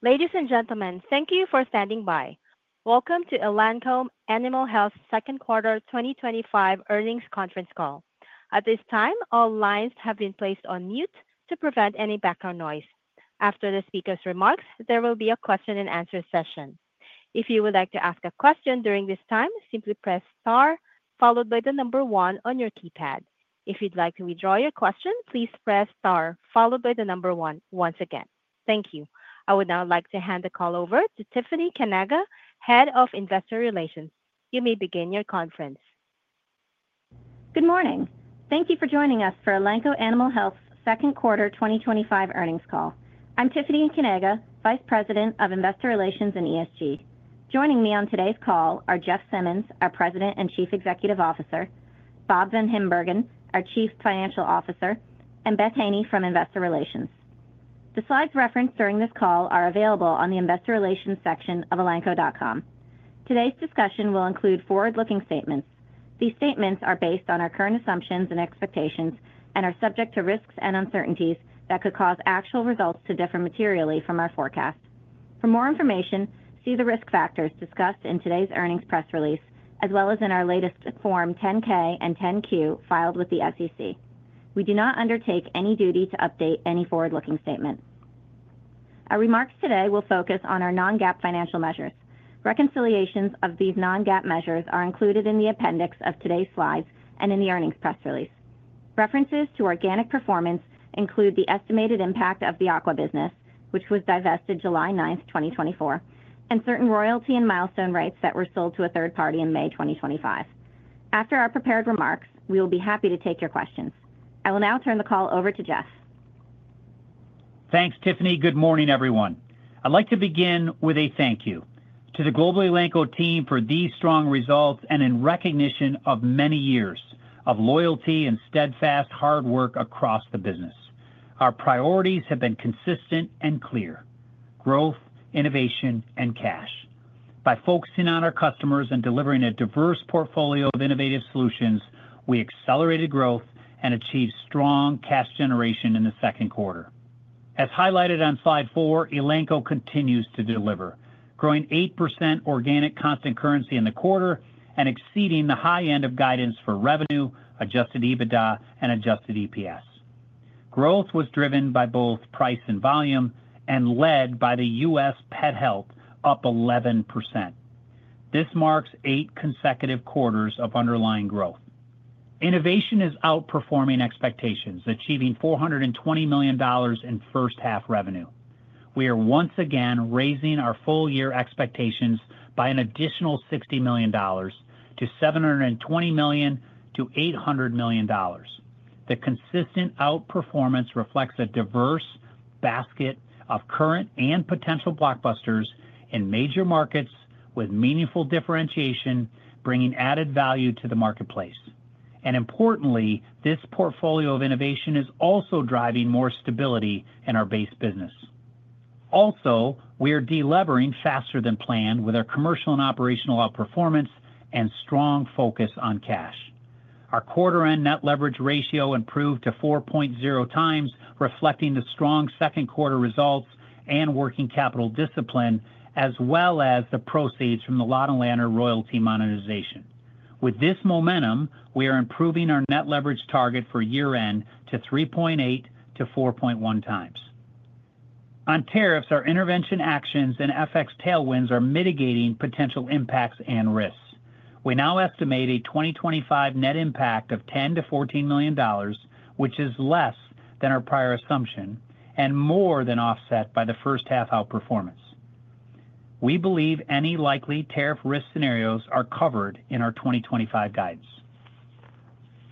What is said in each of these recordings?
Ladies and gentlemen, thank you for standing by. Welcome to Elanco Animal Health Second Quarter 2025 Earnings Conference Call. At this time, all lines have been placed on mute to prevent any background noise. After the speaker's remarks, there will be a question-and-answer session. If you would like to ask a question during this time, simply press star, followed by the number one on your keypad. If you'd like to withdraw your question, please press star, followed by the number one once again. Thank you. I would now like to hand the call over to Tiffany Kanaga, Head of Investor Relations. You may begin your conference. Good morning. Thank you for joining us for Elanco Animal Health's Second Quarter 2025 Earnings Call. I'm Tiffany Kanaga, Vice President of Investor Relations and ESG. Joining me on today's call are Jeff Simmons, our President and Chief Executive Officer, Bob VanHimbergen, our Chief Financial Officer, and Beth Haney from Investor Relations. The slides referenced during this call are available on the Investor Relations section of elanco.com. Today's discussion will include forward-looking statements. These statements are based on our current assumptions and expectations and are subject to risks and uncertainties that could cause actual results to differ materially from our forecast. For more information, see the risk factors discussed in today's earnings press release, as well as in our latest Form 10-K and 10-Q filed with the SEC. We do not undertake any duty to update any forward-looking statement. Our remarks today will focus on our non-GAAP financial measures. Reconciliations of these non-GAAP measures are included in the appendix of today's slides and in the earnings press release. References to organic performance include the estimated impact of the aqua business, which was divested July 9th, 2024, and certain royalty and milestone rates that were sold to a third party in May 2025. After our prepared remarks, we will be happy to take your questions. I will now turn the call over to Jeff. Thanks, Tiffany. Good morning, everyone. I'd like to begin with a thank you to the global Elanco team for these strong results and in recognition of many years of loyalty and steadfast hard work across the business. Our priorities have been consistent and clear: growth, innovation, and cash. By focusing on our customers and delivering a diverse portfolio of innovative solutions, we accelerated growth and achieved strong cash generation in the second quarter. As highlighted on slide four, Elanco continues to deliver, growing 8% Organic Constant Currency in the quarter and exceeding the high end of guidance for revenue, Adjusted EBITDA, and Adjusted EPS. Growth was driven by both price and volume and led by the U.S. Pet Health, up 11%. This marks eight consecutive quarters of underlying growth. Innovation is outperforming expectations, achieving $420 million in first half revenue. We are once again raising our full-year expectations by an additional $60 million to $720 million to $800 million. The consistent outperformance reflects a diverse basket of current and potential blockbusters in major markets with meaningful differentiation, bringing added value to the marketplace. Importantly, this portfolio of innovation is also driving more stability in our base business. Also, we are deleveraging faster than planned with our commercial and operational outperformance and strong focus on cash. Our quarter-end Net Leverage Ratio improved to 4.0x, reflecting the strong second quarter results and working capital discipline, as well as the proceeds from the Ladenburg Thalmann royalty monetization. With this momentum, we are improving our net leverage target for year-end to 3.8x to 4.1x. On tariffs, our intervention actions and FX tailwinds are mitigating potential impacts and risks. We now estimate a 2025 net impact of $10 million-$14 million, which is less than our prior assumption and more than offset by the first half outperformance. We believe any likely tariff risk scenarios are covered in our 2025 guidance.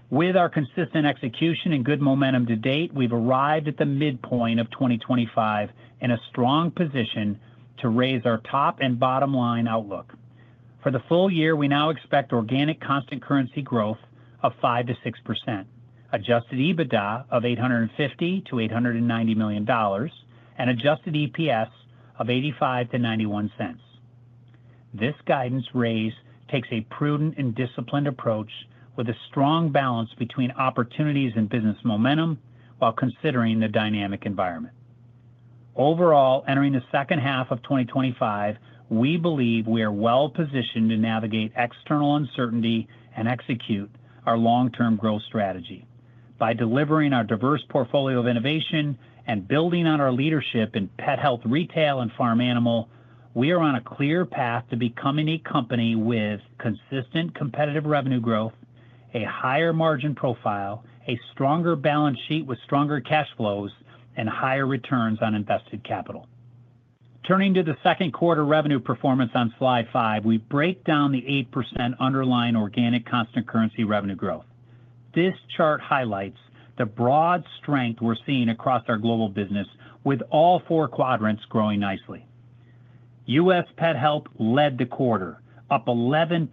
With our consistent execution and good momentum to date, we've arrived at the midpoint of 2025 in a strong position to raise our top and bottom line outlook. For the full year, we now expect Organic Constant Currency growth of 5% to 6%, Adjusted EBITDA of $850 million to $890 million, and Adjusted EPS of $0.85 to $0.91. This guidance raise takes a prudent and disciplined approach with a strong balance between opportunities and business momentum while considering the dynamic environment. Overall, entering the second half of 2025, we believe we are well positioned to navigate external uncertainty and execute our long-term growth strategy. By delivering our diverse portfolio of innovation and building on our leadership in Pet Health, retail, and Farm Animal, we are on a clear path to becoming a company with consistent competitive revenue growth, a higher-margin profile, a stronger balance sheet with stronger cash flows, and higher returns on invested capital. Turning to the second quarter revenue performance on slide five, we break down the 8% underlying Organic Constant Currency revenue growth. This chart highlights the broad strength we're seeing across our global business, with all four quadrants growing nicely. U.S. Pet Health led the quarter, up 11%,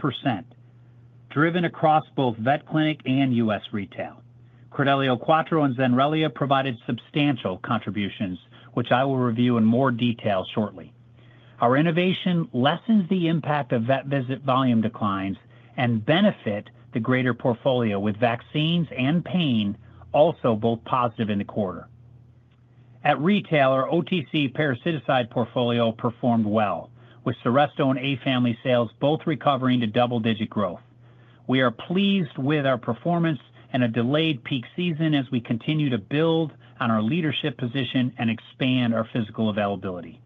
driven across both vet clinic and U.S. retail. Credelio Quattro and Zenrelia provided substantial contributions, which I will review in more detail shortly. Our innovation lessens the impact of vet visit volume declines and benefits the greater portfolio with vaccines and pain, also both positive in the quarter. At retail, our OTC parasiticide portfolio performed well, with Seresto and A Family sales both recovering to double-digit growth. We are pleased with our performance and a delayed peak season as we continue to build on our leadership position and expand our physical availability.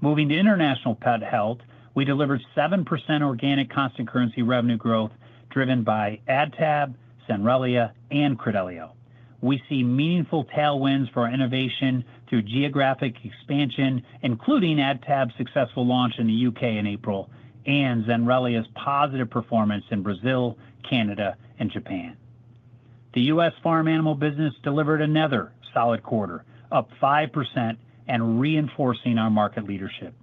Moving to international Pet Health, we delivered 7% Organic Constant Currency revenue growth driven by AdTab, Zenrelia, and Credelio. We see meaningful tailwinds for our innovation through geographic expansion, including AdTab's successful launch in the U.K. in April and Zenrelia's positive performance in Brazil, Canada, and Japan. The U.S. Farm Animal business delivered another solid quarter, up 5% and reinforcing our market leadership.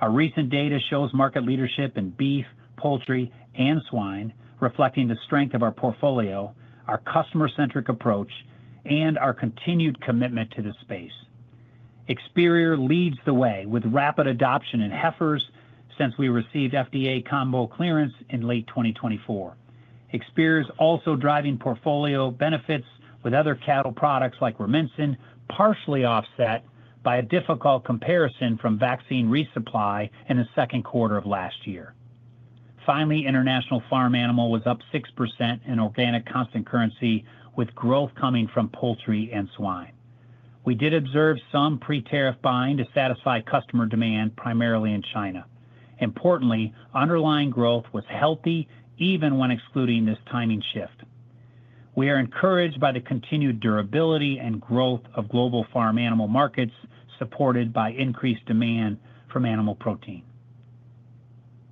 Our recent data shows market leadership in beef, poultry, and swine, reflecting the strength of our portfolio, our customer-centric approach, and our continued commitment to this space. Experior leads the way with rapid adoption in heifers since we received FDA combo clearance in late 2024. Experior's also driving portfolio benefits with other cattle products like Rumensin, partially offset by a difficult comparison from vaccine resupply in the second quarter of last year. Finally, International Farm Animal was up 6% in Organic Constant Currency, with growth coming from poultry and swine. We did observe some pre-tariff buying to satisfy customer demand, primarily in China. Importantly, underlying growth was healthy even when excluding this timing shift. We are encouraged by the continued durability and growth of global farm animal markets, supported by increased demand from animal protein.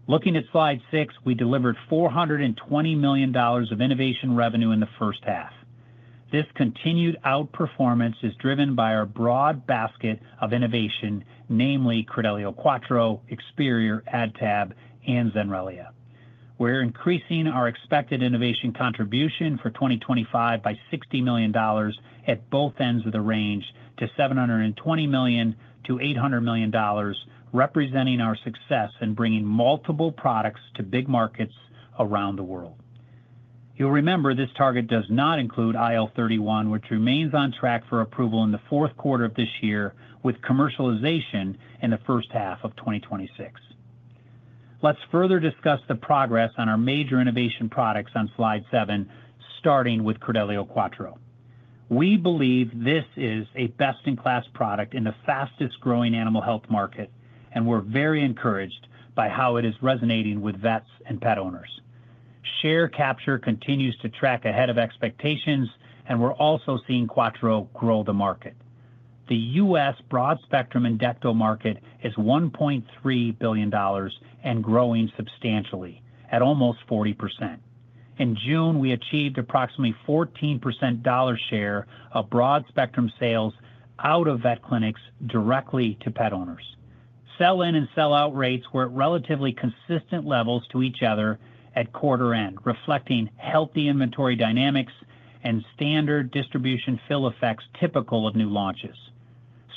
Looking at slide six, we delivered $420 million of innovation revenue in the first half. This continued outperformance is driven by our broad basket of innovation, namely Credelio Quattro, Experior, AdTab, and Zenrelia. We're increasing our expected innovation contribution for 2025 by $60 million at both ends of the range to $720 million-$800 million, representing our success in bringing multiple products to big markets around the world. You'll remember this target does not include IL-31, which remains on track for approval in the fourth quarter of this year with commercialization in the first half of 2026. Let's further discuss the progress on our major innovation products on slide seven, starting with Credelio Quattro. We believe this is a best-in-class product in the fastest-growing animal health market, and we're very encouraged by how it is resonating with vets and pet owners. Share capture continues to track ahead of expectations, and we're also seeing Quattro grow the market. The U.S. broad spectrum Endecto market is $1.3 billion and growing substantially at almost 40%. In June, we achieved approximately 14% dollar share of broad spectrum sales out of vet clinics directly to pet owners. Sell-in and sell-out rates were at relatively consistent levels to each other at quarter end, reflecting healthy inventory dynamics and standard distribution fill effects typical of new launches.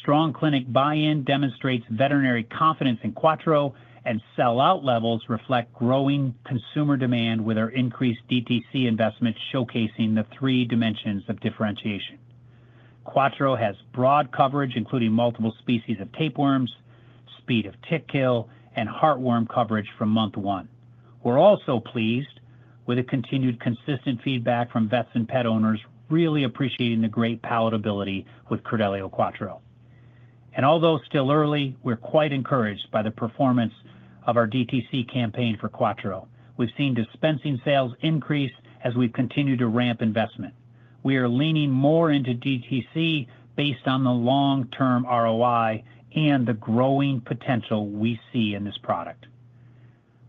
Strong clinic buy-in demonstrates veterinary confidence in Quattro, and sell-out levels reflect growing consumer demand with our increased DTC investment, showcasing the three dimensions of differentiation. Quattro has broad coverage, including multiple species of tapeworms, speed of tick kill, and heartworm coverage from month one. We're also pleased with the continued consistent feedback from vets and pet owners, really appreciating the great palatability with Credelio Quattro. Although still early, we're quite encouraged by the performance of our DTC campaign for Quattro. We've seen dispensing sales increase as we've continued to ramp investment. We are leaning more into DTC based on the long-term ROI and the growing potential we see in this product.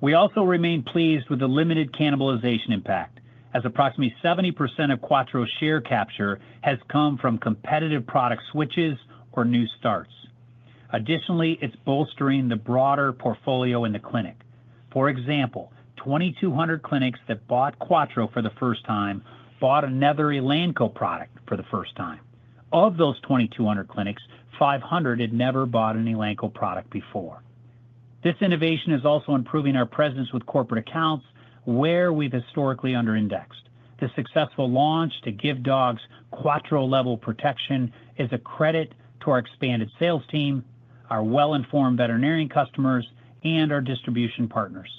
We also remain pleased with the limited cannibalization impact, as approximately 70% of Quattro's share capture has come from competitive product switches or new starts. Additionally, it's bolstering the broader portfolio in the clinic. For example, 2,200 clinics that bought Quattro for the first time bought another Elanco product for the first time. Of those 2,200 clinics, 500 had never bought an Elanco product before. This innovation is also improving our presence with corporate accounts where we've historically under-indexed. The successful launch to give dogs Quattro-level protection is a credit to our expanded sales team, our well-informed veterinarian customers, and our distribution partners.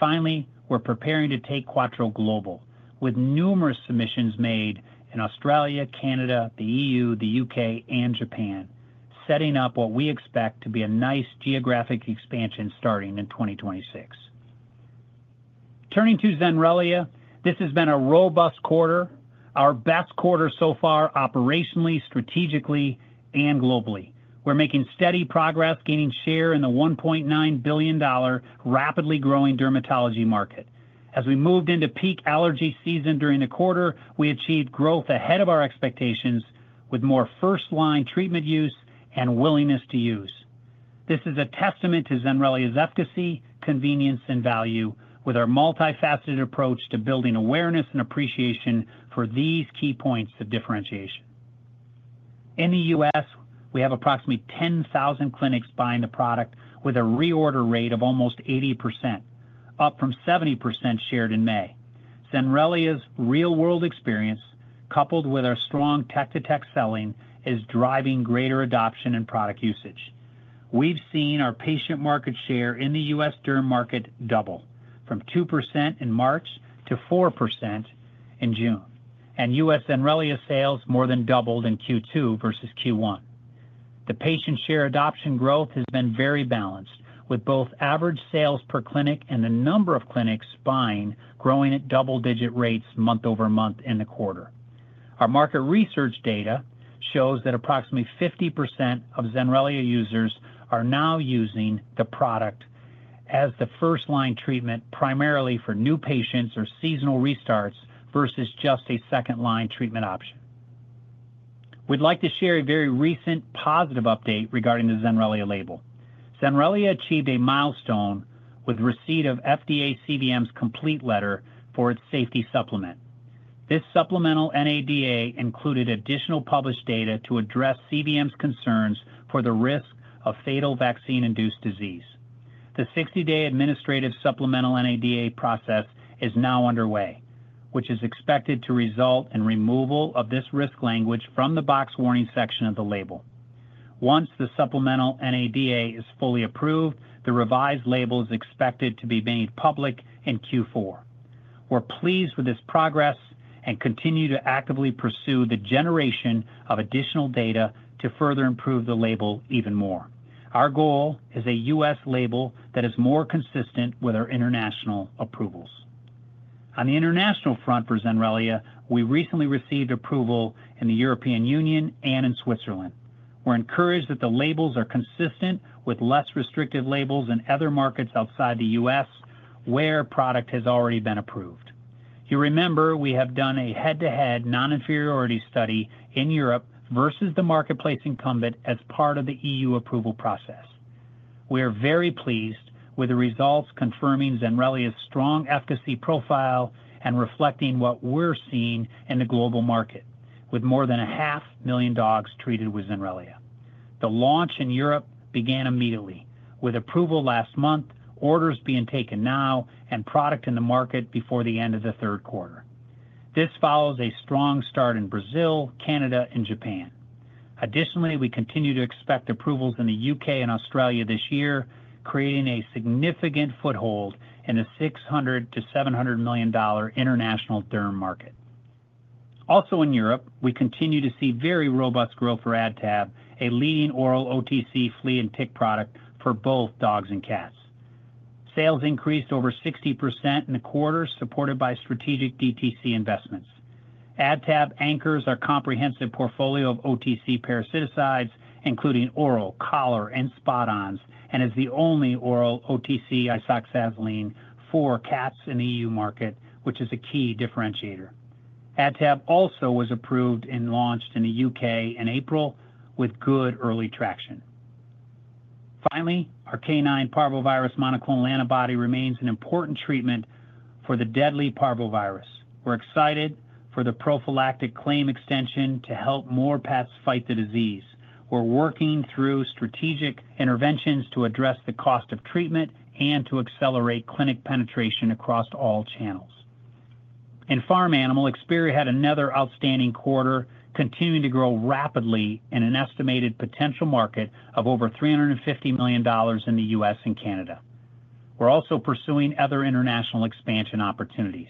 Finally, we're preparing to take Quattro global with numerous submissions made in Australia, Canada, the EU, the U.K., and Japan, setting up what we expect to be a nice geographic expansion starting in 2026. Turning to Zenrelia, this has been a robust quarter, our best quarter so far operationally, strategically, and globally. We're making steady progress, gaining share in the $1.9 billion rapidly growing dermatology market. As we moved into peak allergy season during the quarter, we achieved growth ahead of our expectations with more first-line treatment use and willingness to use. This is a testament to Zenrelia's efficacy, convenience, and value with our multifaceted approach to building awareness and appreciation for these key points of differentiation. In the U.S., we have approximately 10,000 clinics buying the product with a reorder rate of almost 80%, up from 70% shared in May. Zenrelia's real-world experience, coupled with our strong tech-to-tech selling, is driving greater adoption and product usage. We've seen our patient market share in the U.S. derm market double from 2% in March to 4% in June, and U.S. Zenrelia sales more than doubled in Q2 versus Q1. The patient share adoption growth has been very balanced with both average sales per clinic and the number of clinics buying growing at double-digit rates month-over-month in the quarter. Our market research data shows that approximately 50% of Zenrelia users are now using the product as the first-line treatment primarily for new patients or seasonal restarts versus just a second-line treatment option. We'd like to share a very recent positive update regarding the Zenrelia label. Zenrelia achieved a milestone with the receipt of FDA CVM's complete letter for its safety supplement. This supplemental NADA included additional published data to address CVM's concerns for the risk of fatal vaccine-induced disease. The 60-day administrative supplemental NADA process is now underway, which is expected to result in removal of this risk language from the box warning section of the label. Once the supplemental NADA is fully approved, the revised label is expected to be made public in Q4. We're pleased with this progress and continue to actively pursue the generation of additional data to further improve the label even more. Our goal is a U.S. label that is more consistent with our international approvals. On the international front for Zenrelia, we recently received approval in the European Union and in Switzerland. We're encouraged that the labels are consistent with less restrictive labels in other markets outside the U.S. where product has already been approved. You remember we have done a head-to-head non-inferiority study in Europe versus the marketplace incumbent as part of the EU approval process. We are very pleased with the results confirming Zenrelia's strong efficacy profile and reflecting what we're seeing in the global market with more than a half million dogs treated with Zenrelia. The launch in Europe began immediately with approval last month, orders being taken now, and product in the market before the end of the third quarter. This follows a strong start in Brazil, Canada, and Japan. Additionally, we continue to expect approvals in the U.K. and Australia this year, creating a significant foothold in the $600 million-$700 million international derm market. Also in Europe, we continue to see very robust growth for AdTab, a leading oral OTC flea and tick product for both dogs and cats. Sales increased over 60% in the quarter, supported by strategic DTC investments. AdTab anchors our comprehensive portfolio of OTC parasiticides, including oral, collar, and spot-ons, and is the only oral OTC isoxazoline for cats in the EU market, which is a key differentiator. AdTab also was approved and launched in the U.K. in April with good early traction. Finally, our Canine Parvovirus Monoclonal Antibody remains an important treatment for the deadly parvovirus. We're excited for the prophylactic claim extension to help more pets fight the disease. We're working through strategic interventions to address the cost of treatment and to accelerate clinic penetration across all channels. In Farm Animal, Experior had another outstanding quarter, continuing to grow rapidly in an estimated potential market of over $350 million in the U.S. and Canada. We're also pursuing other international expansion opportunities.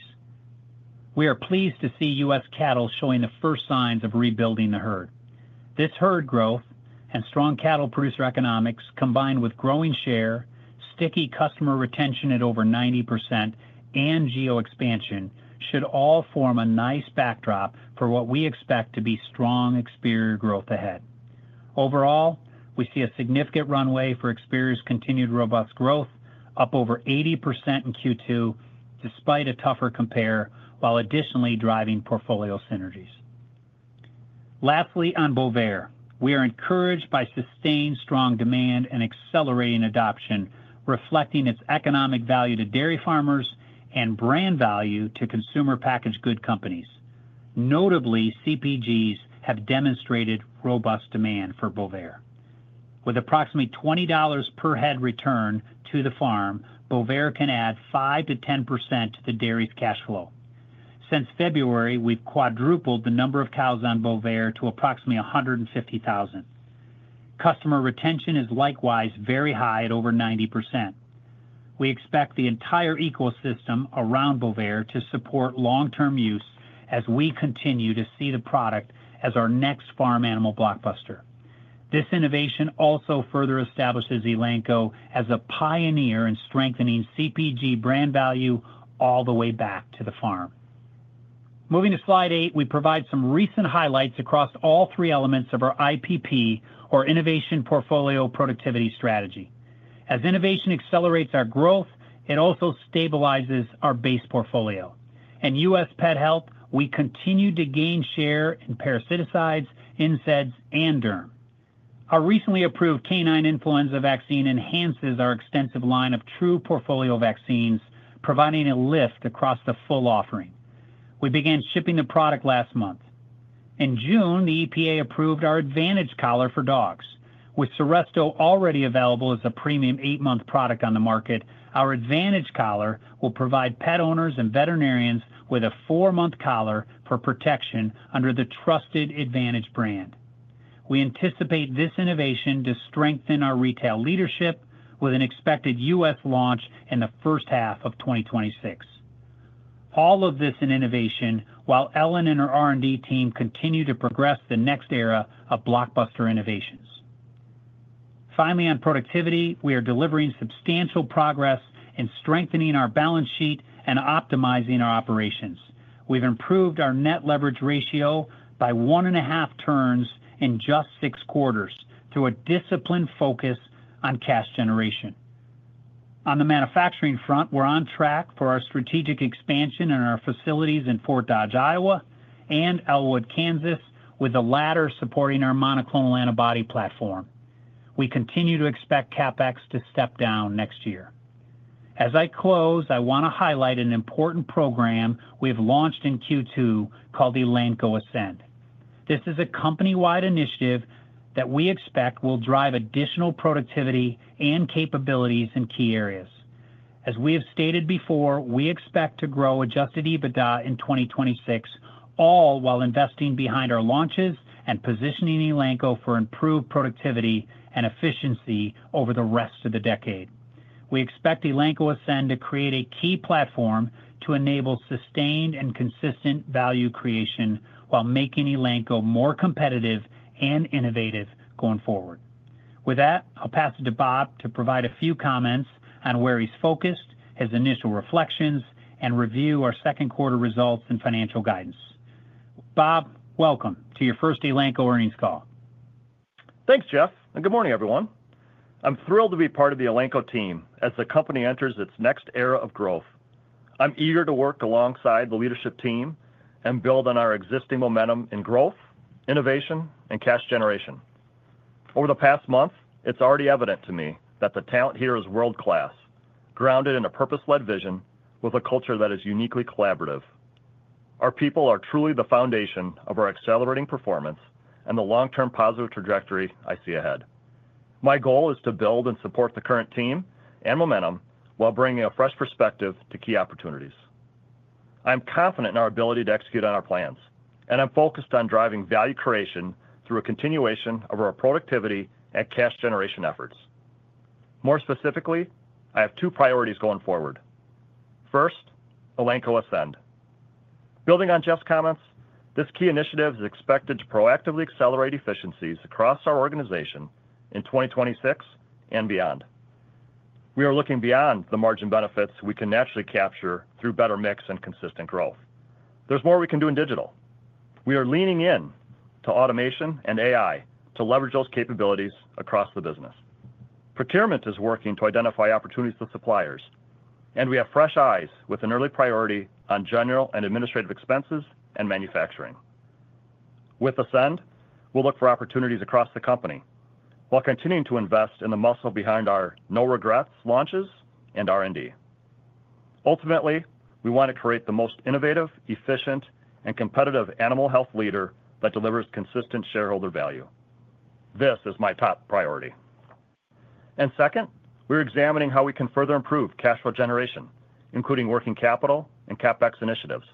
We are pleased to see U.S. cattle showing the first signs of rebuilding the herd. This herd growth and strong cattle producer economics, combined with growing share, sticky customer retention at over 90%, and geo expansion should all form a nice backdrop for what we expect to be strong Experior growth ahead. Overall, we see a significant runway for Experior's continued robust growth, up over 80% in Q2 despite a tougher compare, while additionally driving portfolio synergies. Lastly, on Bovaer, we are encouraged by sustained strong demand and accelerating adoption, reflecting its economic value to dairy farmers and brand value to consumer packaged goods companies. Notably, CPGs have demonstrated robust demand for Bovaer. With approximately $20 per head return to the farm, Bovaer can add 5%-10% to the dairy's cash flow. Since February, we've quadrupled the number of cows on Bovaer to approximately 150,000. Customer retention is likewise very high at over 90%. We expect the entire ecosystem around Bovaer to support long-term use as we continue to see the product as our next farm animal blockbuster. This innovation also further establishes Elanco as a pioneer in strengthening CPG brand value all the way back to the farm. Moving to slide eight, we provide some recent highlights across all three elements of our IPP, or Innovation Portfolio Productivity Strategy. As innovation accelerates our growth, it also stabilizes our base portfolio. In U.S. Pet Health, we continue to gain share in parasiticides, NSAIDs, and derm. Our recently approved canine influenza vaccine enhances our extensive line of true portfolio vaccines, providing a lift across the full offering. We began shipping the product last month. In June, the EPA approved our Advantage collar for dogs. With Seresto already available as a premium eight-month product on the market, our Advantage collar will provide pet owners and veterinarians with a four-month collar for protection under the trusted Advantage brand. We anticipate this innovation to strengthen our retail leadership with an expected U.S. launch in the first half of 2026. All of this in innovation, while Ellen and her R&D team continue to progress the next era of blockbuster innovations. Finally, on productivity, we are delivering substantial progress in strengthening our balance sheet and optimizing our operations. We've improved our Net Leverage Ratio by one and a half turns in just six quarters through a disciplined focus on cash generation. On the manufacturing front, we're on track for our strategic expansion in our facilities in Fort Dodge, Iowa, and Elwood, Kansas, with the latter supporting our monoclonal antibody platform. We continue to expect CapEx to step down next year. As I close, I want to highlight an important program we have launched in Q2 called Elanco Ascend. This is a company-wide initiative that we expect will drive additional productivity and capabilities in key areas. As we have stated before, we expect to grow Adjusted EBITDA in 2026, all while investing behind our launches and positioning Elanco for improved productivity and efficiency over the rest of the decade. We expect Elanco Ascend to create a key platform to enable sustained and consistent value creation while making Elanco more competitive and innovative going forward. With that, I'll pass it to Bob to provide a few comments on where he's focused, his initial reflections, and review our second quarter results and financial guidance. Bob, welcome to your first Elanco earnings call. Thanks, Jeff, and good morning, everyone. I'm thrilled to be part of the Elanco team as the company enters its next era of growth. I'm eager to work alongside the leadership team and build on our existing momentum in growth, innovation, and cash generation. Over the past month, it's already evident to me that the talent here is world-class, grounded in a purpose-led vision with a culture that is uniquely collaborative. Our people are truly the foundation of our accelerating performance and the long-term positive trajectory I see ahead. My goal is to build and support the current team and momentum while bringing a fresh perspective to key opportunities. I'm confident in our ability to execute on our plans, and I'm focused on driving value creation through a continuation of our productivity and cash generation efforts. More specifically, I have two priorities going forward. First, Elanco Ascend. Building on Jeff's comments, this key initiative is expected to proactively accelerate efficiencies across our organization in 2026 and beyond. We are looking beyond the margin benefits we can naturally capture through better mix and consistent growth. There's more we can do in digital. We are leaning into automation and AI to leverage those capabilities across the business. Procurement is working to identify opportunities with suppliers, and we have fresh eyes with an early priority on general and administrative expenses and manufacturing. With Ascend, we'll look for opportunities across the company while continuing to invest in the muscle behind our no regrets launches and R&D. Ultimately, we want to create the most innovative, efficient, and competitive animal health leader that delivers consistent shareholder value. This is my top priority. Second, we're examining how we can further improve cash flow generation, including working capital and CapEx initiatives.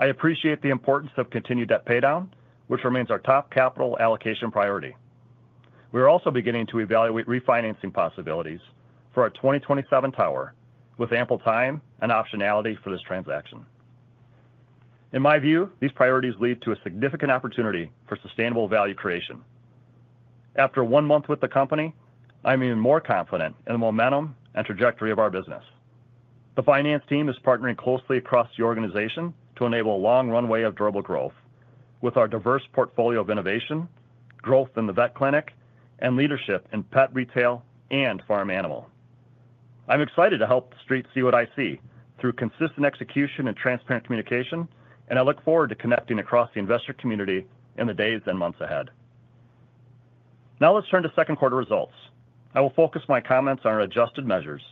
I appreciate the importance of continued debt paydown, which remains our top capital allocation priority. We are also beginning to evaluate refinancing possibilities for our 2027 tower with ample time and optionality for this transaction. In my view, these priorities lead to a significant opportunity for sustainable value creation. After one month with the company, I'm even more confident in the momentum and trajectory of our business. The finance team is partnering closely across the organization to enable a long runway of durable growth with our diverse portfolio of innovation, growth in the vet clinic, and leadership in pet retail and Farm Animal. I'm excited to help the street see what I see through consistent execution and transparent communication, and I look forward to connecting across the investor community in the days and months ahead. Now let's turn to second quarter results. I will focus my comments on our adjusted measures,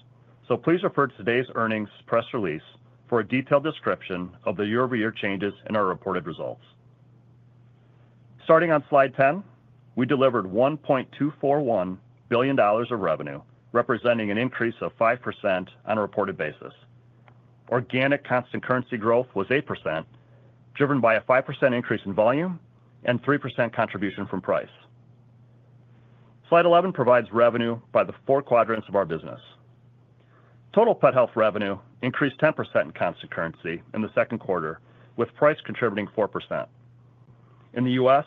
so please refer to today's earnings press release for a detailed description of the year-over-year changes in our reported results. Starting on slide 10, we delivered $1.241 billion of revenue, representing an increase of 5% on a reported basis. Organic constant currency growth was 8%, driven by a 5% increase in volume and 3% contribution from price. Slide 11 provides revenue by the four quadrants of our business. Total Pet Health revenue increased 10% in constant currency in the second quarter, with price contributing 4%. In the U.S.,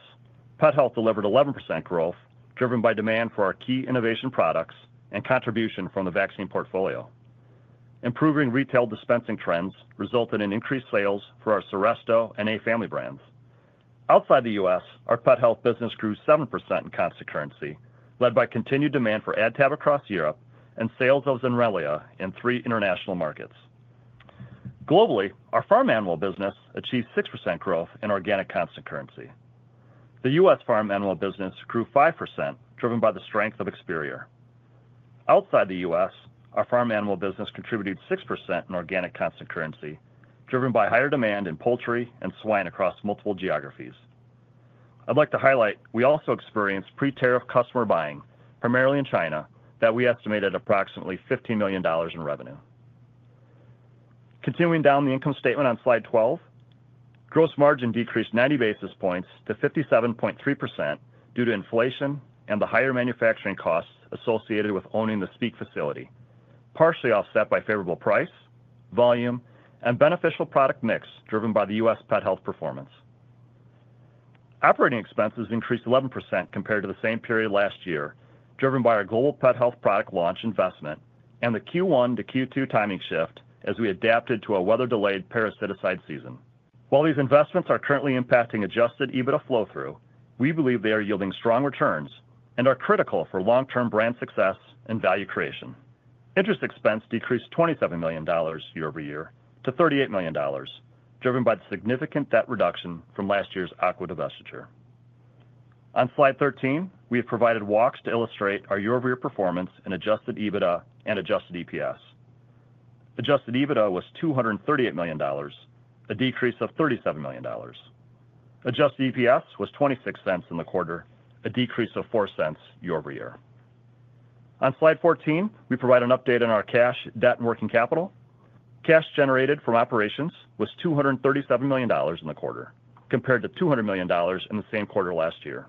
Pet Health delivered 11% growth, driven by demand for our key innovation products and contribution from the vaccine portfolio. Improving retail dispensing trends resulted in increased sales for our Seresto and A Family brands. Outside the U.S., our Pet Health business grew 7% in constant currency, led by continued demand for AdTab across Europe and sales of Zenrelia in three international markets. Globally, our Farm Animal business achieved 6% growth in Organic Constant Currency. The U.S. Farm Animal business grew 5%, driven by the strength of Experior. Outside the U.S., our Farm Animal business contributed 6% in Organic Constant Currency, driven by higher demand in poultry and swine across multiple geographies. I'd like to highlight we also experienced pre-tariff customer buying, primarily in China, that we estimated at approximately $50 million in revenue. Continuing down the income statement on slide 12, gross margin decreased 90 basis points to 57.3% due to inflation and the higher manufacturing costs associated with owning the Speke facility, partially offset by favorable price, volume, and beneficial product mix driven by the U.S. Pet Health performance. Operating expenses increased 11% compared to the same period last year, driven by our global Pet Health product launch investment and the Q1 to Q2 timing shift as we adapted to a weather-delayed parasiticide season. While these investments are currently impacting Adjusted EBITDA flow-through, we believe they are yielding strong returns and are critical for long-term brand success and value creation. Interest expense decreased $27 million year-over-year to $38 million, driven by the significant debt reduction from last year's aqua divestiture. On slide 13, we have provided walks to illustrate our year-over-year performance in Adjusted EBITDA and Adjusted EPS. Adjusted EBITDA was $238 million, a decrease of $37 million. Adjusted EPS was $0.26 in the quarter, a decrease of $0.04 year-over-year. On slide 14, we provide an update on our cash, debt, and working capital. Cash generated from operations was $237 million in the quarter, compared to $200 million in the same quarter last year.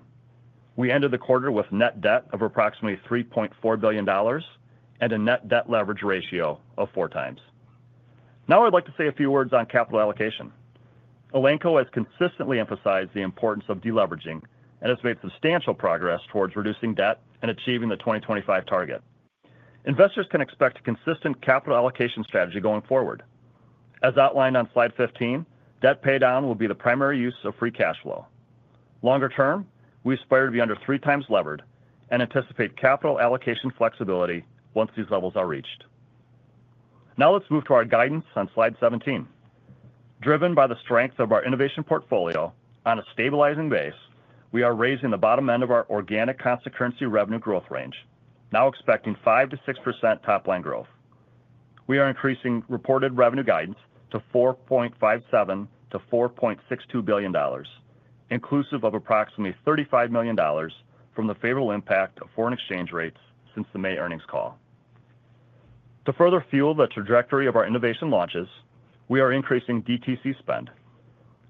We ended the quarter with net debt of approximately $3.4 billion and a Net Debt Leverage Ratio of 4x. Now I'd like to say a few words on capital allocation. Elanco has consistently emphasized the importance of deleveraging and has made substantial progress towards reducing debt and achieving the 2025 target. Investors can expect a consistent capital allocation strategy going forward. As outlined on slide 15, debt paydown will be the primary use of free cash flow. Longer term, we aspire to be under 3x levered and anticipate capital allocation flexibility once these levels are reached. Now let's move to our guidance on slide 17. Driven by the strength of our innovation portfolio on a stabilizing base, we are raising the bottom end of our Organic Constant Currency revenue growth range, now expecting 5%-6% top line growth. We are increasing reported revenue guidance to $4.57 billion-$4.62 billion, inclusive of approximately $35 million from the favorable impact of foreign exchange rates since the May earnings call. To further fuel the trajectory of our innovation launches, we are increasing DTC spend.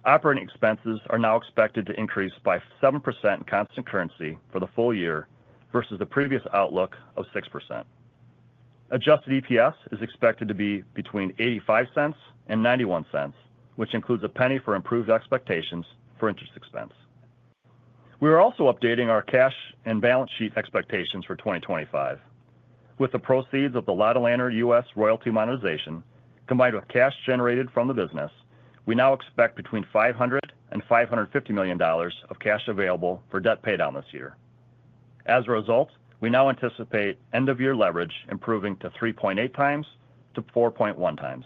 Operating expenses are now expected to increase by 7% in constant currency for the full year versus the previous outlook of 6%. Adjusted EPS is expected to be between $0.85 and $0.91, which includes a penny for improved expectations for interest expense. We are also updating our cash and balance sheet expectations for 2025. With the proceeds of the lotilaner U.S. royalty monetization combined with cash generated from the business, we now expect between $500 and $550 million of cash available for debt paydown this year. As a result, we now anticipate end-of-year leverage improving to 3.8x to 4.1x.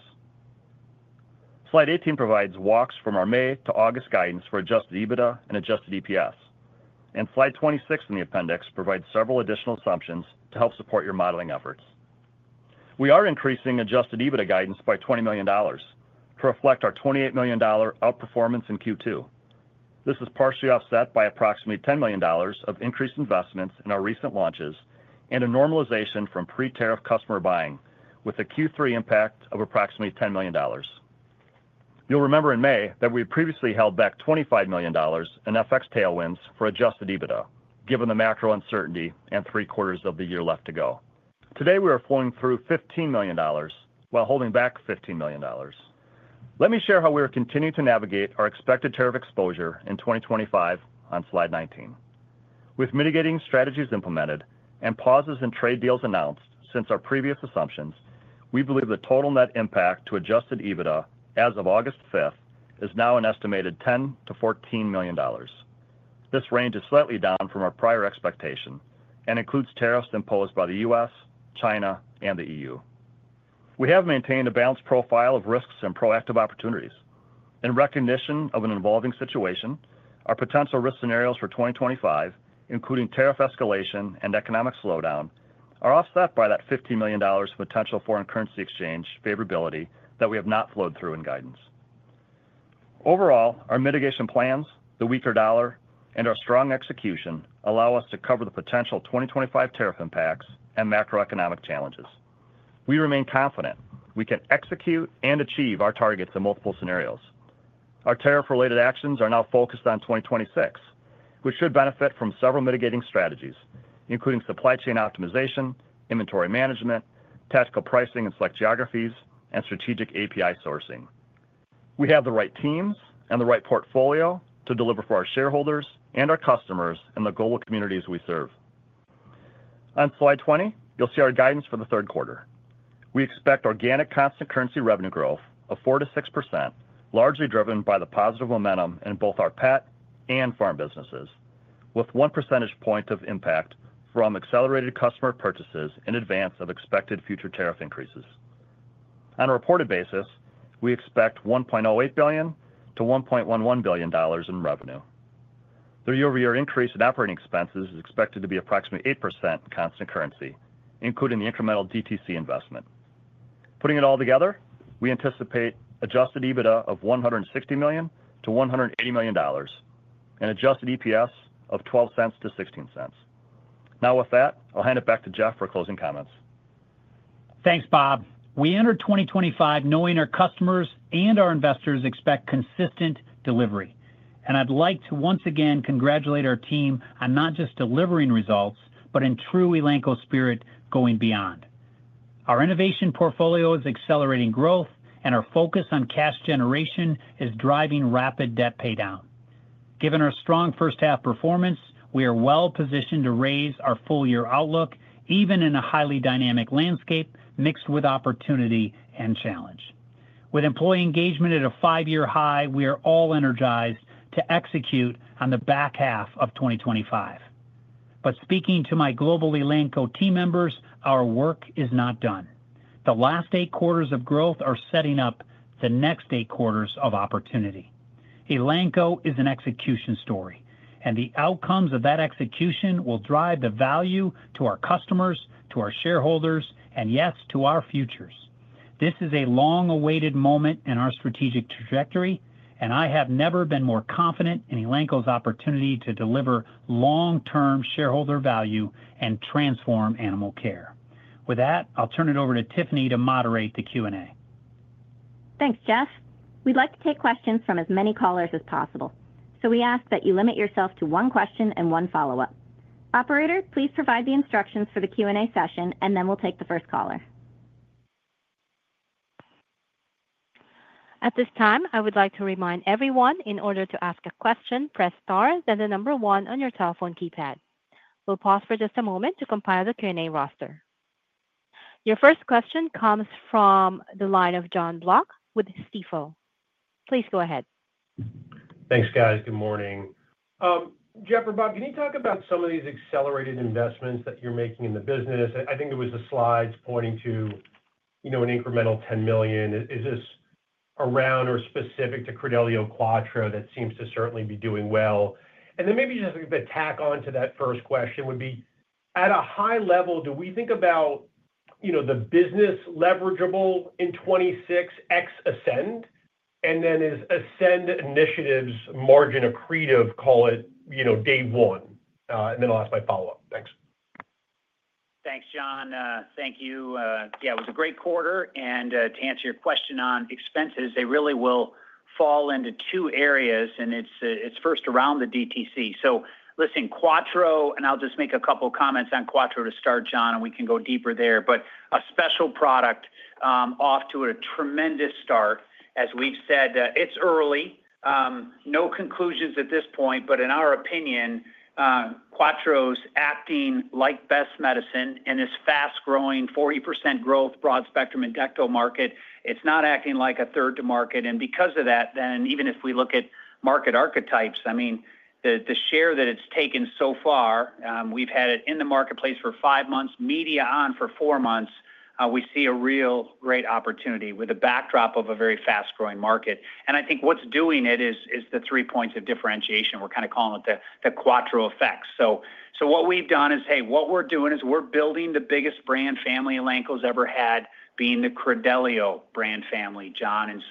Slide 18 provides walks from our May to August guidance for Adjusted EBITDA and Adjusted EPS. Slide 26 in the appendix provides several additional assumptions to help support your modeling efforts. We are increasing Adjusted EBITDA guidance by $20 million to reflect our $28 million outperformance in Q2. This is partially offset by approximately $10 million of increased investments in our recent launches and a normalization from pre-tariff customer buying with a Q3 impact of approximately $10 million. You'll remember in May that we had previously held back $25 million in FX tailwinds for Adjusted EBITDA, given the macro uncertainty and three quarters of the year left to go. Today, we are flowing through $15 million while holding back $15 million. Let me share how we are continuing to navigate our expected tariff exposure in 2025 on slide 19. With mitigating strategies implemented and pauses in trade deals announced since our previous assumptions, we believe the total net impact to Adjusted EBITDA as of August 5th is now an estimated $10 million-$14 million. This range is slightly down from our prior expectation and includes tariffs imposed by the U.S., China, and the EU. We have maintained a balanced profile of risks and proactive opportunities. In recognition of an evolving situation, our potential risk scenarios for 2025, including tariff escalation and economic slowdown, are offset by that $15 million potential foreign currency exchange favorability that we have not flowed through in guidance. Overall, our mitigation plans, the weaker dollar, and our strong execution allow us to cover the potential 2025 tariff impacts and macroeconomic challenges. We remain confident we can execute and achieve our targets in multiple scenarios. Our tariff-related actions are now focused on 2026, which should benefit from several mitigating strategies, including supply chain optimization, inventory management, tactical pricing in select geographies, and strategic API sourcing. We have the right teams and the right portfolio to deliver for our shareholders and our customers in the global communities we serve. On slide 20, you'll see our guidance for the third quarter. We expect Organic Constant Currency revenue growth of 4%-6%, largely driven by the positive momentum in both our pet and farm businesses, with 1% percentage point of impact from accelerated customer purchases in advance of expected future tariff increases. On a reported basis, we expect $1.08 billion-$1.11 billion in revenue. The year-over-year increase in operating expenses is expected to be approximately 8% in constant currency, including the incremental DTC investment. Putting it all together, we anticipate Adjusted EBITDA of $160 million-$180 million and Adjusted EPS of $0.12-$0.16. Now with that, I'll hand it back to Jeff for closing comments. Thanks, Bob. We entered 2025 knowing our customers and our investors expect consistent delivery. I'd like to once again congratulate our team on not just delivering results, but in true Elanco spirit going beyond. Our innovation portfolio is accelerating growth, and our focus on cash generation is driving rapid debt paydown. Given our strong first half performance, we are well positioned to raise our full-year outlook, even in a highly dynamic landscape mixed with opportunity and challenge. With employee engagement at a five-year high, we are all energized to execute on the back half of 2025. Speaking to my global Elanco team members, our work is not done. The last eight quarters of growth are setting up the next eight quarters of opportunity. Elanco is an execution story, and the outcomes of that execution will drive the value to our customers, to our shareholders, and yes, to our futures. This is a long-awaited moment in our strategic trajectory, and I have never been more confident in Elanco's opportunity to deliver long-term shareholder value and transform animal care. With that, I'll turn it over to Tiffany to moderate the Q&A. Thanks, Jeff. We'd like to take questions from as many callers as possible, so we ask that you limit yourself to one question and one follow-up. Operator, please provide the instructions for the Q&A session, and then we'll take the first caller. At this time, I would like to remind everyone, in order to ask a question, press star, then the number one on your telephone keypad. We'll pause for just a moment to compile the Q&A roster. Your first question comes from the line of Jon Block with Stifel. Please go ahead. Thanks, guys. Good morning. Jeff or Bob, can you talk about some of these accelerated investments that you're making in the business? I think there were the slides pointing to, you know, an incremental $10 million. Is this around or specific to Credelio Quattro that seems to certainly be doing well? Maybe just a tack on to that first question would be, at a high level, do we think about, you know, the business leverageable in 2026 ex Ascend? Is Ascend Initiatives margin accretive, call it, you know, day one? I'll ask my follow-up. Thanks. Thanks, Jon. Thank you. Yeah, it was a great quarter. To answer your question on expenses, they really will fall into two areas, and it's first around the DTC. Listen, Quattro, and I'll just make a couple of comments on Quattro to start, Jon, and we can go deeper there. A special product, off to a tremendous start. As we've said, it's early, no conclusions at this point, but in our opinion, Quattro's acting like best medicine in this fast-growing 40% growth broad-spectrum Endecto market. It's not acting like a third to market. If we look at market archetypes, the share that it's taken so far, we've had it in the marketplace for five months, media on for four months. We see a real great opportunity with a backdrop of a very fast-growing market. I think what's doing it is the three points of differentiation. We're kind of calling it the Quattro effects. What we've done is, hey, what we're doing is we're building the biggest brand family Elanco's ever had, being the Credelio brand family, Jon.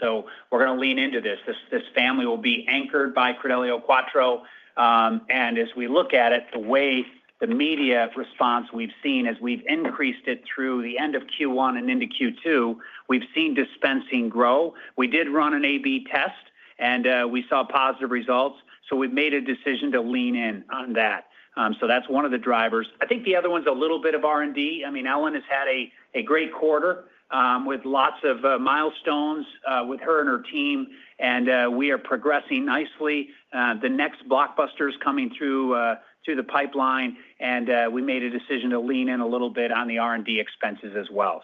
We're going to lean into this. This family will be anchored by Credelio Quattro. As we look at it, the way the media response we've seen as we've increased it through the end of Q1 and into Q2, we've seen dispensing grow. We did run an A/B test, and we saw positive results. We've made a decision to lean in on that. That's one of the drivers. I think the other one's a little bit of R&D. Ellen has had a great quarter with lots of milestones with her and her team, and we are progressing nicely. The next blockbuster is coming through the pipeline, and we made a decision to lean in a little bit on the R&D expenses as well.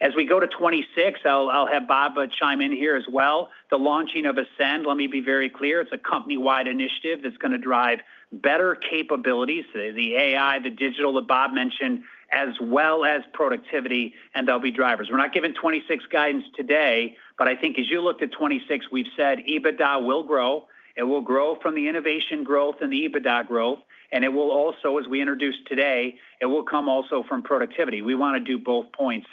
As we go to 2026, I'll have Bob chime in here as well. The launching of Ascend, let me be very clear, it's a company-wide initiative that's going to drive better capabilities, the AI, the digital that Bob mentioned, as well as productivity, and they'll be drivers. We're not giving 2026 guidance today, but I think as you looked at 2026, we've said EBITDA will grow. It will grow from the innovation growth and the EBITDA growth, and it will also, as we introduced today, it will come also from productivity. We want to do both points.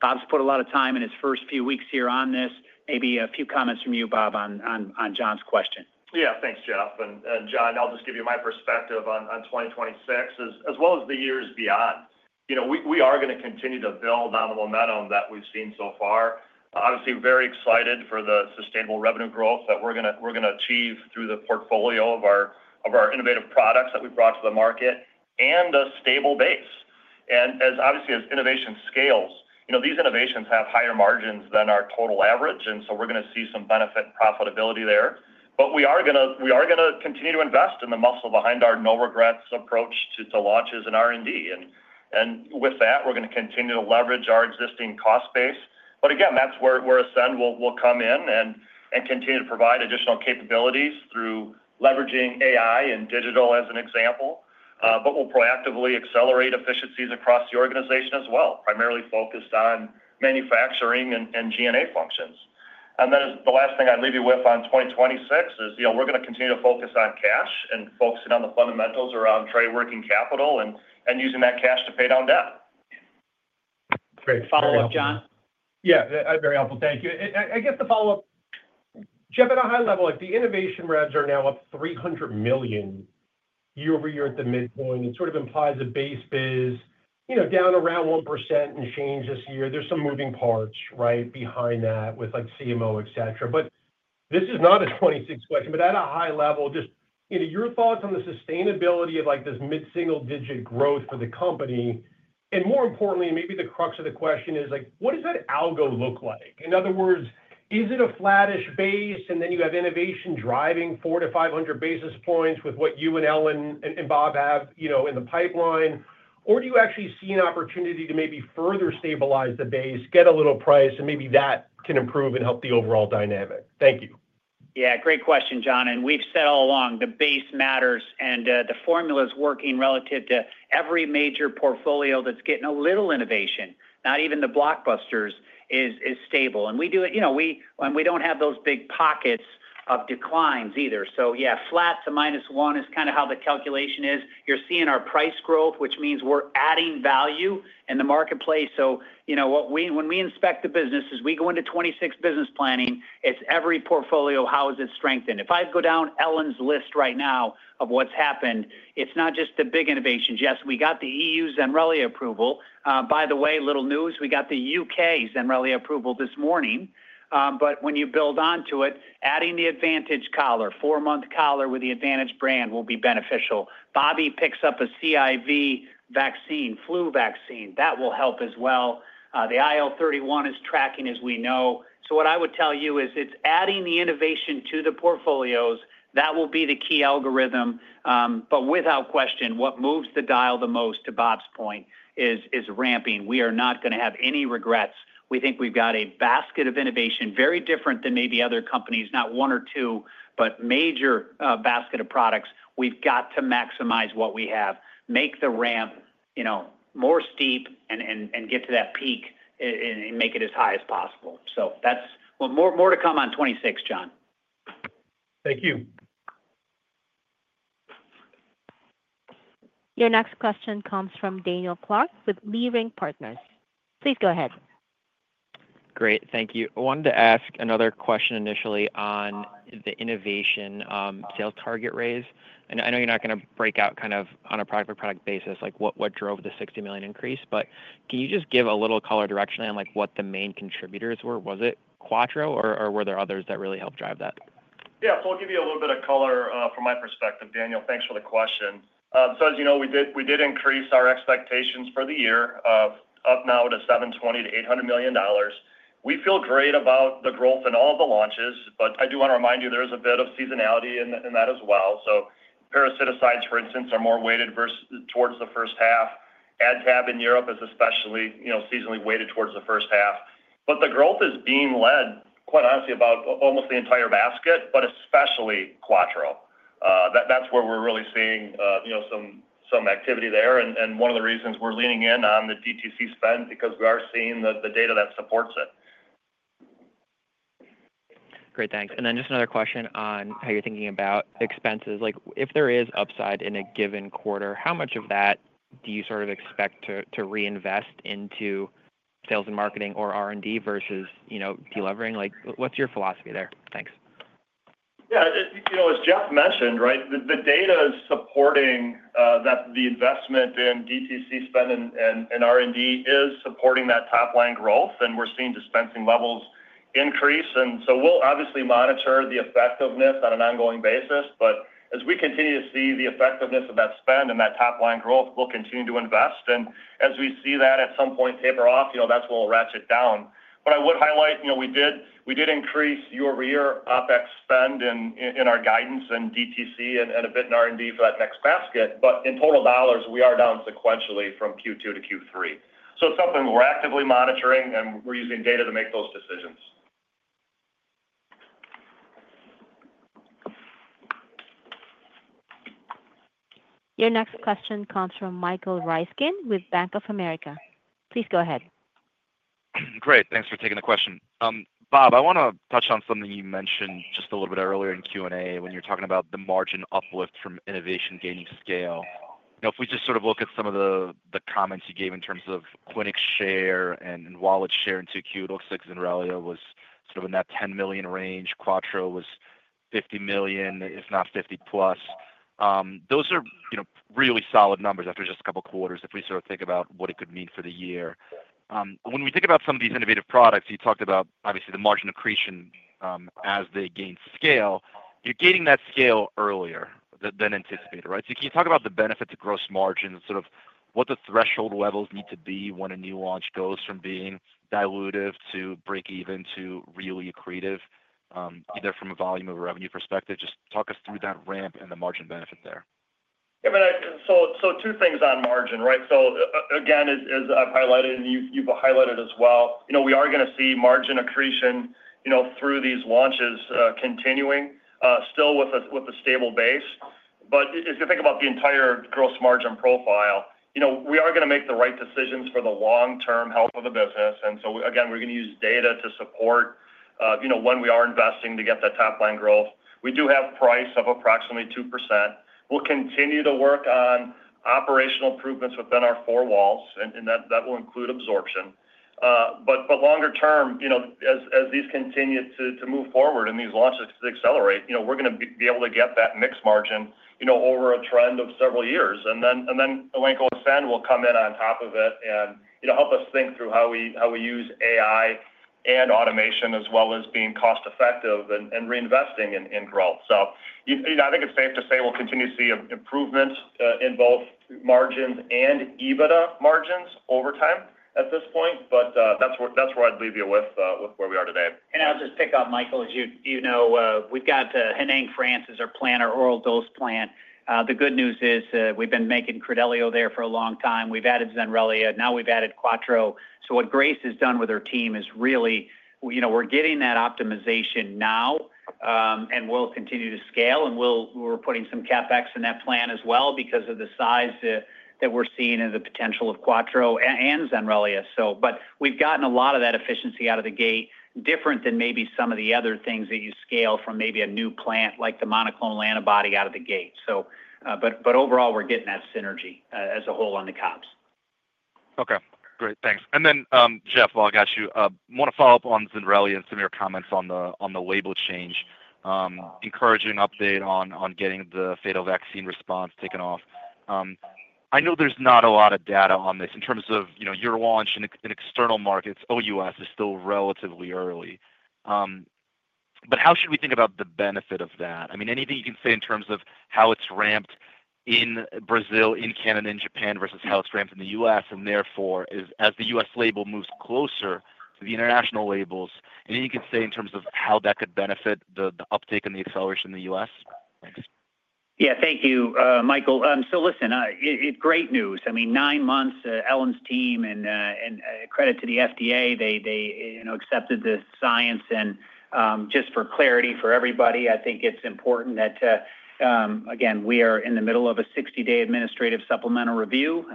Bob's put a lot of time in his first few weeks here on this. Maybe a few comments from you, Bob, on Jon's question. Yeah, thanks, Jeff. Jon, I'll just give you my perspective on 2026 as well as the years beyond. We are going to continue to build on the momentum that we've seen so far. Obviously, we're very excited for the sustainable revenue growth that we're going to achieve through the portfolio of our innovative products that we brought to the market and a stable base. As innovation scales, these innovations have higher margins than our total average, and so we're going to see some benefit and profitability there. We are going to continue to invest in the muscle behind our no regrets approach to launches and R&D. With that, we're going to continue to leverage our existing cost base. That's where Ascend will come in and continue to provide additional capabilities through leveraging AI and digital as an example. We'll proactively accelerate efficiencies across the organization as well, primarily focused on manufacturing and G&A functions. The last thing I'd leave you with on 2026 is, we're going to continue to focus on cash and focusing on the fundamentals around trade working capital and using that cash to pay down debt. Follow-up, Jon? Yeah, very helpful. Thank you. I guess the follow-up, Jeff, at a high level, the innovation reps are now up $300 million year-over-year at the midpoint. It sort of implies a base biz, you know, down around 1% and change this year. There's some moving parts, right, behind that with like CMO, et cetera. This is not a 2026 question, but at a high level, just, you know, your thoughts on the sustainability of like this mid-single-digit growth for the company. More importantly, maybe the crux of the question is like, what does that algo look like? In other words, is it a flattish base and then you have innovation driving 400 to 500 basis points with what you and Ellen and Bob have, you know, in the pipeline? Or do you actually see an opportunity to maybe further stabilize the base, get a little price, and maybe that can improve and help the overall dynamic? Thank you. Yeah, great question, Jon. We've said all along, the base matters and the formula is working relative to every major portfolio that's getting a little innovation. Not even the blockbusters is stable. We do it, you know, and we don't have those big pockets of declines either. Flat to -1 is kind of how the calculation is. You're seeing our price growth, which means we're adding value in the marketplace. When we inspect the businesses, we go into 2026 business planning, it's every portfolio, how is it strengthened? If I go down Ellen's list right now of what's happened, it's not just the big innovations. Yes, we got the EU Zenrelia approval. By the way, little news, we got the U.K. Zenrelia approval this morning. When you build onto it, adding the Advantage collar, four-month collar with the Advantage brand will be beneficial. Bobby picks up a CIV vaccine, flu vaccine, that will help as well. The IL-31 is tracking, as we know. What I would tell you is it's adding the innovation to the portfolios that will be the key algorithm. Without question, what moves the dial the most, to Bob's point, is ramping. We are not going to have any regrets. We think we've got a basket of innovation, very different than maybe other companies, not one or two, but major basket of products. We've got to maximize what we have, make the ramp more steep and get to that peak and make it as high as possible. That's more to come on 2026, Jon. Thank you. Your next question comes from Daniel Clark with Leerink Partners. Please go ahead. Great, thank you. I wanted to ask another question initially on the innovation sales target raise. I know you're not going to break out kind of on a product-by-product basis, like what drove the $60 million increase, but can you just give a little color direction on like what the main contributors were? Was it Quattro or were there others that really helped drive that? Yeah, I'll give you a little bit of color from my perspective, Daniel. Thanks for the question. As you know, we did increase our expectations for the year up now to $720 million-$800 million. We feel great about the growth in all of the launches. I do want to remind you there is a bit of seasonality in that as well. Parasiticides, for instance, are more weighted towards the first half. AdTab in Europe is especially, you know, seasonally weighted towards the first half. The growth is being led, quite honestly, by almost the entire basket, but especially Quattro. That's where we're really seeing, you know, some activity there. One of the reasons we're leaning in on the DTC spend is because we are seeing the data that supports it. Great, thanks. Just another question on how you're thinking about expenses. If there is upside in a given quarter, how much of that do you expect to reinvest into sales and marketing or R&D versus delivering? What's your philosophy there? Thanks. Yeah, you know, as Jeff mentioned, the data is supporting that the investment in DTC spend and R&D is supporting that top line growth, and we're seeing dispensing levels increase. We'll obviously monitor the effectiveness on an ongoing basis. As we continue to see the effectiveness of that spend and that top line growth, we'll continue to invest. As we see that at some point taper off, that's when we'll ratchet down. I would highlight, we did increase year-over-year OpEx spend in our guidance in DTC and a bit in R&D for that next basket. In total dollars, we are down sequentially from Q2 to Q3. It's something we're actively monitoring, and we're using data to make those decisions. Your next question comes from Michael Ryskin with Bank of America. Please go ahead. Great, thanks for taking the question. Bob, I want to touch on something you mentioned just a little bit earlier in Q&A when you were talking about the margin uplift from innovation gaining scale. If we just sort of look at some of the comments you gave in terms of pointing share and wallet share in 2Q, it looks like Zenrelia was sort of in that $10 million range. Quattro was $50 million, if not $50 million+. Those are really solid numbers after just a couple of quarters if we sort of think about what it could mean for the year. When we think about some of these innovative products, you talked about obviously the margin accretion as they gain scale. You're gaining that scale earlier than anticipated, right? Can you talk about the benefits of gross margins and sort of what the threshold levels need to be when a new launch goes from being dilutive to break even to really accretive, either from a volume or revenue perspective? Just talk us through that ramp and the margin benefit there. Yeah, I mean, two things on margin, right? As I've highlighted and you've highlighted as well, we are going to see margin accretion through these launches continuing, still with a stable base. As you think about the entire gross margin profile, we are going to make the right decisions for the long-term health of the business. We are going to use data to support when we are investing to get that top line growth. We do have price of approximately 2%. We'll continue to work on operational improvements within our four walls, and that will include absorption. Longer term, as these continue to move forward and these launches accelerate, we're going to be able to get that mixed margin over a trend of several years. Elanco Ascend will come in on top of it and help us think through how we use AI and automation as well as being cost-effective and reinvesting in growth. I think it's safe to say we'll continue to see improvements in both margins and EBITDA margins over time at this point. That's where I'd leave you with where we are today. I'll just pick on Michael. As you know, we've got Huningue, France as our plan, our oral dose plant. The good news is we've been making Credelio there for a long time. We've added Zenrelia. Now we've added Quattro. What Grace has done with her team is really, you know, we're getting that optimization now, and we'll continue to scale. We're putting some CapEx in that plant as well because of the size that we're seeing and the potential of Quattro and Zenrelia. We've gotten a lot of that efficiency out of the gate, different than maybe some of the other things that you scale from maybe a new plant like the monoclonal antibody out of the gate. Overall, we're getting that synergy as a whole on the cobs. Okay, great, thanks. Jeff, while I got you, I want to follow up on Zenrelia and some of your comments on the label change, encouraging update on getting the fatal vaccine response taken off. I know there's not a lot of data on this in terms of your launch in external markets, OUS is still relatively early. How should we think about the benefit of that? I mean, anything you can say in terms of how it's ramped in Brazil, in Canada, and in Japan versus how it's ramped in the U.S., and therefore, as the U.S. label moves closer to the international labels, anything you can say in terms of how that could benefit the uptake and the acceleration in the U.S.? Thanks. Yeah, thank you, Michael. It's great news. I mean, nine months, Ellen's team and credit to the FDA, they accepted the science. Just for clarity for everybody, I think it's important that, again, we are in the middle of a 60-day administrative supplemental review.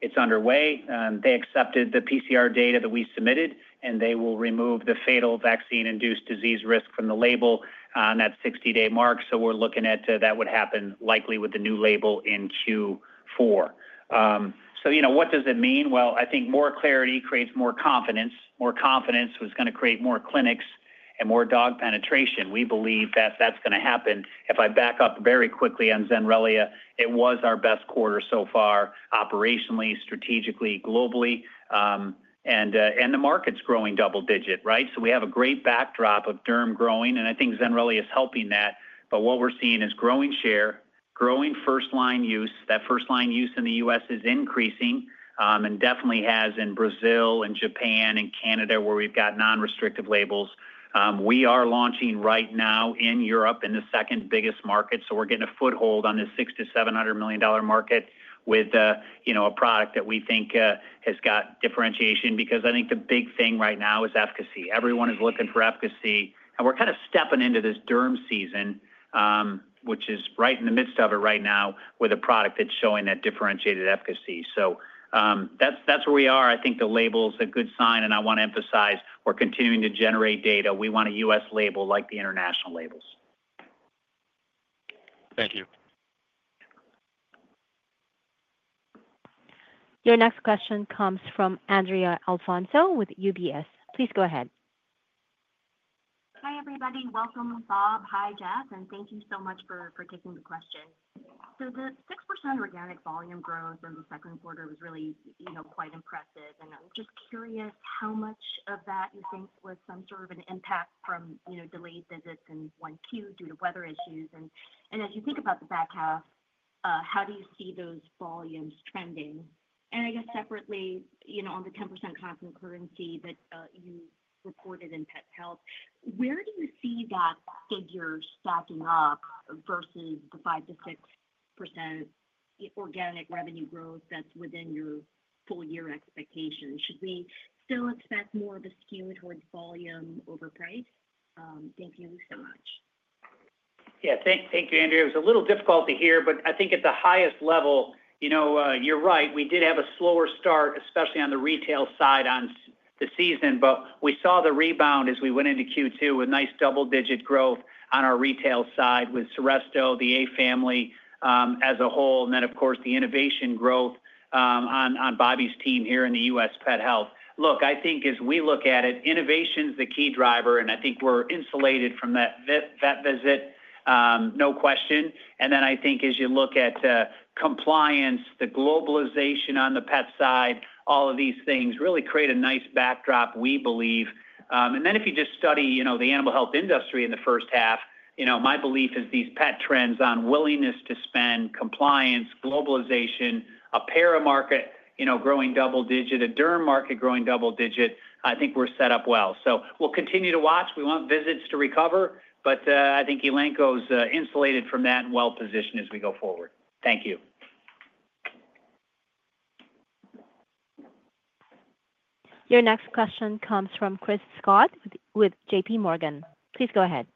It's underway. They accepted the PCR data that we submitted, and they will remove the fatal vaccine-induced disease risk from the label on that 60-day mark. We're looking at that would happen likely with the new label in Q4. What does it mean? I think more clarity creates more confidence. More confidence is going to create more clinics and more dog penetration. We believe that that's going to happen. If I back up very quickly on Zenrelia, it was our best quarter so far operationally, strategically, globally. The market's growing double digit, right? We have a great backdrop of derm growing, and I think Zenrelia is helping that. What we're seeing is growing share, growing first-line use. That first-line use in the U.S. is increasing, and definitely has in Brazil and Japan and Canada where we've got non-restrictive labels. We are launching right now in Europe in the second biggest market. We're getting a foothold on this $600 million-$700 million market with a product that we think has got differentiation because I think the big thing right now is efficacy. Everyone is looking for efficacy, and we're kind of stepping into this derm season, which is right in the midst of it right now with a product that's showing that differentiated efficacy. That's where we are. I think the label's a good sign, and I want to emphasize we're continuing to generate data. We want a U.S. label like the international labels. Thank you. Your next question comes from Andrea Alfonso with UBS. Please go ahead. Hi everybody. Welcome, Bob. Hi, Jeff, and thank you so much for taking the question. The 6% organic volume growth in the second quarter was really, you know, quite impressive. I'm just curious how much of that you think was some sort of an impact from, you know, delayed visits in 1Q due to weather issues. As you think about the back half, how do you see those volumes spending? I guess separately, you know, on the 10% constant currency that you reported in Pet Health, where do you see that figure stacking up versus the 5%-6% organic revenue growth that's within your full-year expectation? Should we still expect more of the skew towards volume over price? Thank you so much. Yeah, thank you, Andrea. It was a little difficult to hear, but I think at the highest level, you know, you're right. We did have a slower start, especially on the retail side on the season, but we saw the rebound as we went into Q2 with nice double-digit growth on our retail side with Seresto, the A Family as a whole, and then, of course, the innovation growth on Bob's team here in the U.S. Pet Health. Look, I think as we look at it, innovation is the key driver, and I think we're insulated from that visit, no question. I think as you look at compliance, the globalization on the pet side, all of these things really create a nice backdrop, we believe. If you just study, you know, the animal health industry in the first half, you know, my belief is these pet trends on willingness to spend, compliance, globalization, a para market, you know, growing double digit, a derm market growing double digit, I think we're set up well. We will continue to watch. We want visits to recover, but I think Elanco's insulated from that and well positioned as we go forward. Thank you. Your next question comes from Chris Schott with JPMorgan. Please go ahead.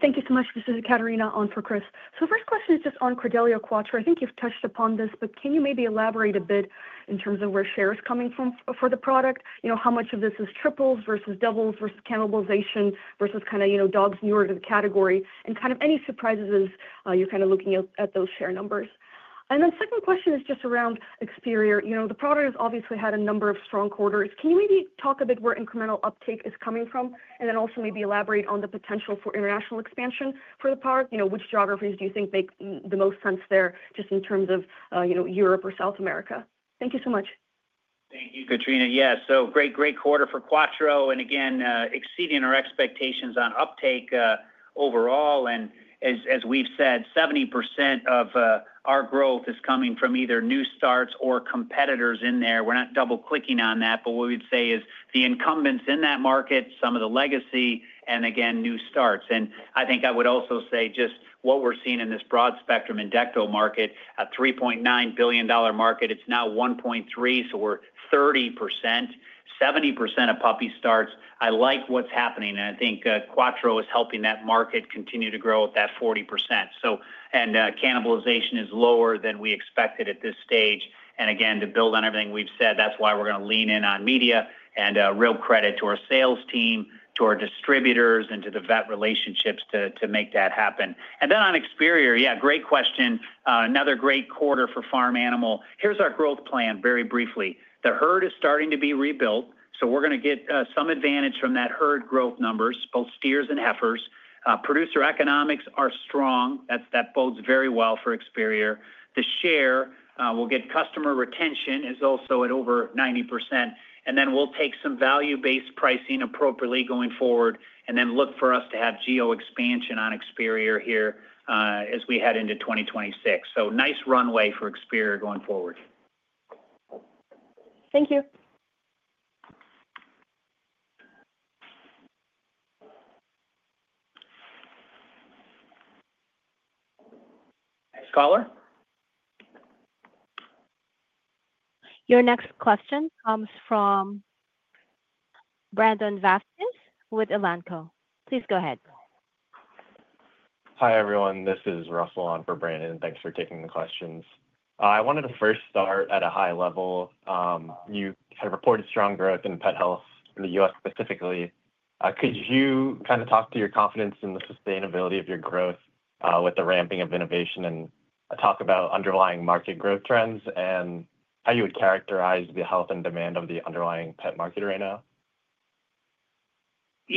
Thank you so much. This is Ekaterina on for Chris. First question is just on Credelio Quattro. I think you've touched upon this, but can you maybe elaborate a bit in terms of where share is coming from for the product? How much of this is triples versus doubles versus cannibalization versus kind of, you know, dogs newer to the category and any surprises as you're looking at those share numbers? Second question is just around Experior. The product has obviously had a number of strong quarters. Can you maybe talk a bit where incremental uptake is coming from and also maybe elaborate on the potential for international expansion for the product? Which geographies do you think make the most sense there just in terms of Europe or South America? Thank you so much. Thank you, Ekaterina. Yeah, so great, great quarter for Quattro and again, exceeding our expectations on uptake overall. As we've said, 70% of our growth is coming from either new starts or competitors in there. We're not double-clicking on that, but what we'd say is the incumbents in that market, some of the legacy, and again, new starts. I think I would also say just what we're seeing in this broad spectrum Endecto market, a $3.9 billion market. It's now $1.3 billion, so we're 30%. 70% of puppy starts. I like what's happening, and I think Quattro is helping that market continue to grow at that 40%. Cannibalization is lower than we expected at this stage. To build on everything we've said, that's why we're going to lean in on media and real credit to our sales team, to our distributors, and to the vet relationships to make that happen. On Experior, yeah, great question. Another great quarter for Farm Animal. Here's our growth plan very briefly. The herd is starting to be rebuilt, so we're going to get some advantage from that herd growth numbers, both steers and heifers. Producer economics are strong. That bodes very well for Experior. The share, we'll get customer retention is also at over 90%. We'll take some value-based pricing appropriately going forward and then look for us to have geo-expansion on Experior here as we head into 2026. Nice runway for Experior going forward. Thank you. Caller? Your next question comes from Brandon Vasquez with Elanco. Please go ahead. Hi everyone, this is Russell on for Brandon. Thanks for taking the questions. I wanted to first start at a high level. You kind of reported strong growth in Pet Health in the U.S. specifically. Could you kind of talk to your confidence in the sustainability of your growth with the ramping of innovation and talk about underlying market growth trends and how you would characterize the health and demand of the underlying pet market right now?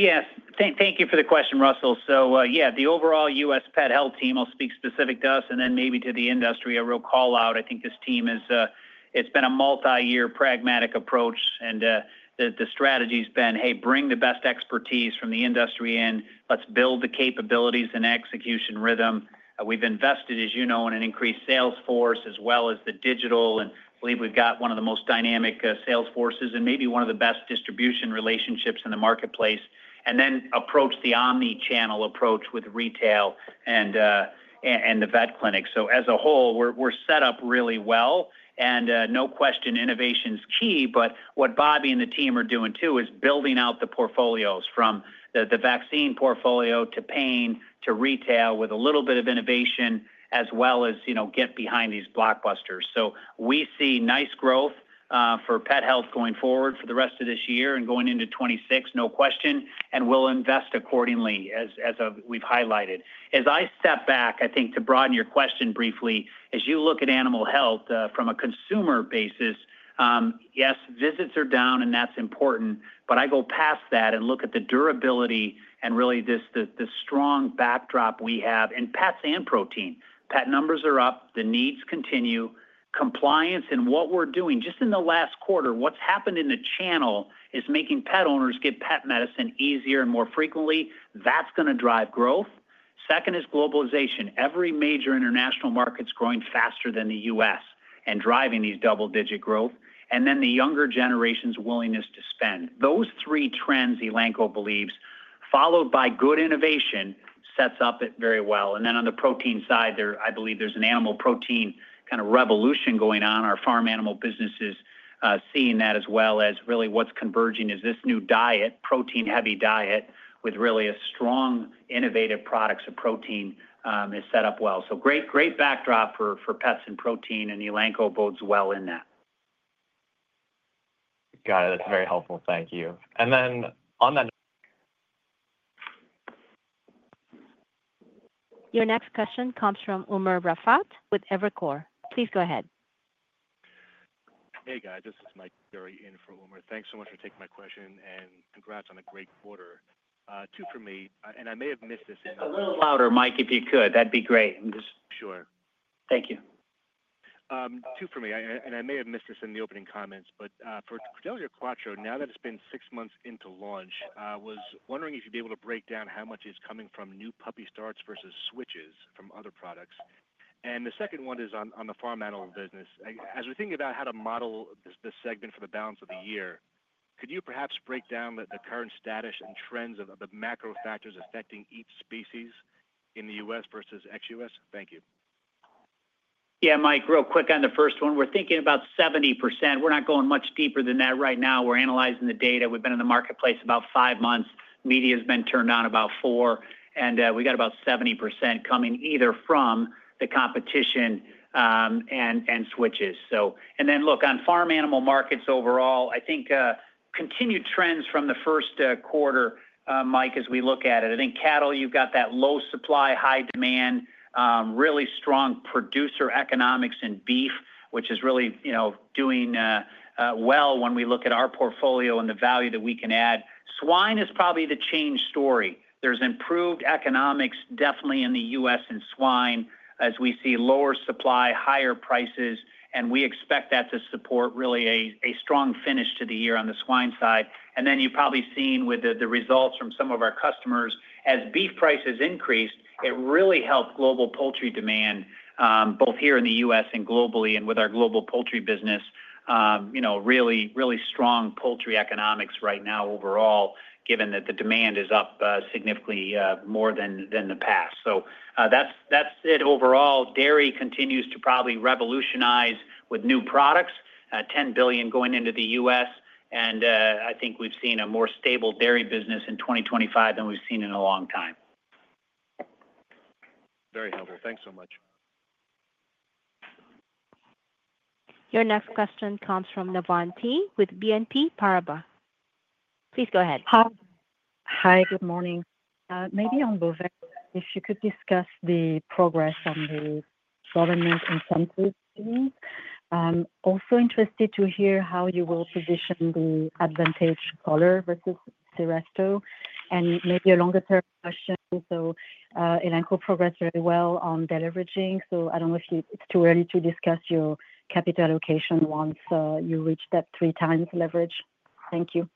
Yes, thank you for the question, Russell. The overall U.S. Pet Health team, I'll speak specific to us and then maybe to the industry, a real call out. I think this team is, it's been a multi-year pragmatic approach and the strategy's been, hey, bring the best expertise from the industry in, let's build the capabilities and execution rhythm. We've invested, as you know, in an increased sales force as well as the digital and believe we've got one of the most dynamic sales forces and maybe one of the best distribution relationships in the marketplace. We approach the omnichannel approach with retail and the vet clinic. As a whole, we're set up really well and no question innovation's key, but what Bobby and the team are doing too is building out the portfolios from the vaccine portfolio to paying to retail with a little bit of innovation as well as, you know, get behind these blockbusters. We see nice growth for Pet Health going forward for the rest of this year and going into 2026, no question, and we'll invest accordingly as we've highlighted. As I step back, I think to broaden your question briefly, as you look at animal health from a consumer basis, yes, visits are down and that's important, but I go past that and look at the durability and really this strong backdrop we have in pets and protein. Pet numbers are up, the needs continue, compliance and what we're doing just in the last quarter, what's happened in the channel is making pet owners get pet medicine easier and more frequently. That's going to drive growth. Second is globalization. Every major international market's growing faster than the U.S. and driving these double-digit growth. The younger generation's willingness to spend. Those three trends Elanco believes, followed by good innovation, sets up it very well. On the protein side, I believe there's an animal protein kind of revolution going on. Our Farm Animal business is seeing that as well as really what's converging is this new diet, protein-heavy diet with really a strong innovative products of protein is set up well. Great backdrop for pets and protein and Elanco bodes well in that. Got it. That's very helpful. Thank you. On that. Your next question comes from Umer Raffat with Evercore. Please go ahead. Hey guys, this is Mike DiFiore in from Umer. Thanks so much for taking my question and congrats on a great quarter. Two for me, and I may have missed this in a little. Mike, if you could, that'd be great. Sure. Thank you. Two for me, and I may have missed this in the opening comments, but for Credelio Quattro, now that it's been six months into launch, I was wondering if you'd be able to break down how much is coming from new puppy starts versus switches from other products. The second one is on the Farm Animal business. As we're thinking about how to model this segment for the balance of the year, could you perhaps break down the current status and trends of the macro factors affecting each species in the U.S. versus ex-U.S.? Thank you. Yeah, Mike, real quick on the first one, we're thinking about 70%. We're not going much deeper than that right now. We're analyzing the data. We've been in the marketplace about five months. Media's been turned on about four, and we got about 70% coming either from the competition and switches. Look, on Farm Animal markets overall, I think continued trends from the first quarter, Mike, as we look at it. I think cattle, you've got that low supply, high demand, really strong producer economics in beef, which is really, you know, doing well when we look at our portfolio and the value that we can add. Swine is probably the change story. There's improved economics definitely in the U.S. in swine as we see lower supply, higher prices, and we expect that to support really a strong finish to the year on the swine side. You've probably seen with the results from some of our customers, as beef prices increased, it really helped global poultry demand, both here in the U.S. and globally and with our global poultry business. Really, really strong poultry economics right now overall, given that the demand is up significantly more than the past. That's it overall. Dairy continues to probably revolutionize with new products, $10 billion going into the U.S., and I think we've seen a more stable dairy business in 2025 than we've seen in a long time. Very helpful. Thanks so much. Your next question comes from Navann Ty with BNP Paribas. Please go ahead. Hi. Good morning. Maybe on Bovaer, if you could discuss the progress on the sovereignness incentive scheme. I'm also interested to hear how you will position the Advantage collar versus Seresto. Maybe a longer-term question. Elanco progressed very well on deleveraging. I don't know if it's too early to discuss your capital allocation once you reach that 3x leverage. Thank you.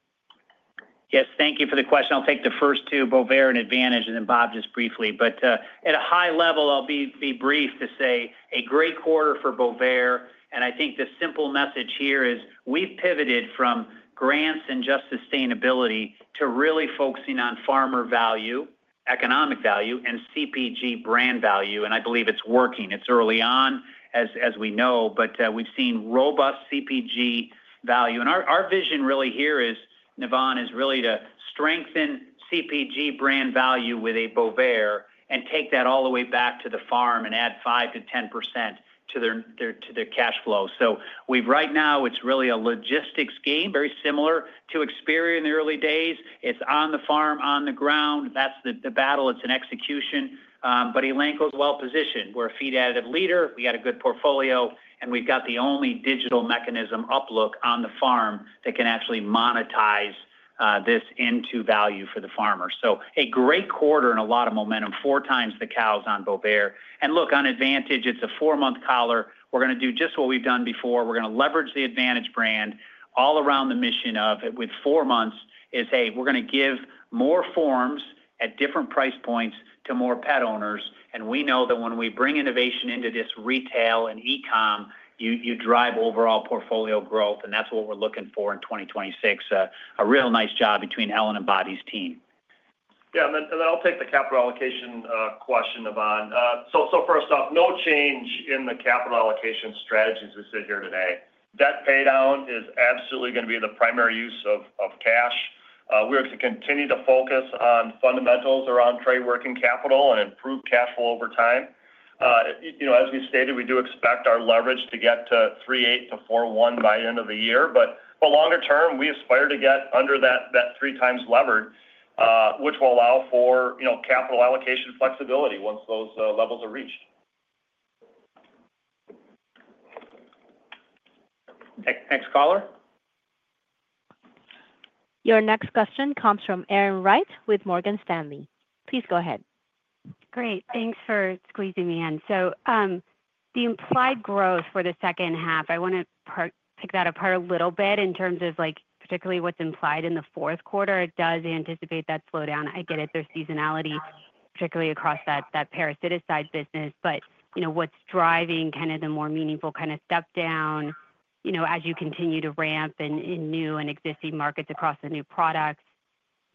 Yes, thank you for the question. I'll take the first two, Bovaer and Advantage, and then Bob just briefly. At a high level, I'll be brief to say a great quarter for Bovaer. I think the simple message here is we've pivoted from grants and just sustainability to really focusing on farmer value, economic value, and CPG brand value. I believe it's working. It's early on, as we know, but we've seen robust CPG value. Our vision really here is, Navann, is really to strengthen CPG brand value with Bovaer and take that all the way back to the farm and add 5%-10% to their cash flow. Right now, it's really a logistics game, very similar to Experior in the early days. It's on the farm, on the ground. That's the battle. It's an execution. Elanco's well positioned. We're a feed additive leader. We got a good portfolio, and we've got the only digital mechanism UpLook on the farm that can actually monetize this into value for the farmer. A great quarter and a lot of momentum, 4x the cows on Bovaer. On Advantage, it's a four-month collar. We're going to do just what we've done before. We're going to leverage the Advantage brand. All around the mission of it with four months is, hey, we're going to give more forms at different price points to more pet owners. We know that when we bring innovation into this retail and e-comm, you drive overall portfolio growth. That's what we're looking for in 2026. A real nice job between Ellen and Bobby's team. Yeah, I'll take the capital allocation question, Navann. First off, no change in the capital allocation strategy as we sit here today. Debt paydown is absolutely going to be the primary use of cash. We're going to continue to focus on fundamentals around trade working capital and improve cash flow over time. As we stated, we do expect our leverage to get to 3.8%-4.1% by the end of the year. Longer term, we aspire to get under that 3x leverage, which will allow for capital allocation flexibility once those levels are reached. Thanks, caller? Your next question comes from Erin Wright with Morgan Stanley. Please go ahead. Great, thanks for squeezing me in. The implied growth for the second half, I want to pick that apart a little bit in terms of particularly what's implied in the fourth quarter. It does anticipate that slowdown. I get it, there's seasonality, particularly across that parasiticide business. What's driving kind of the more meaningful kind of step down as you continue to ramp in new and existing markets across the new product?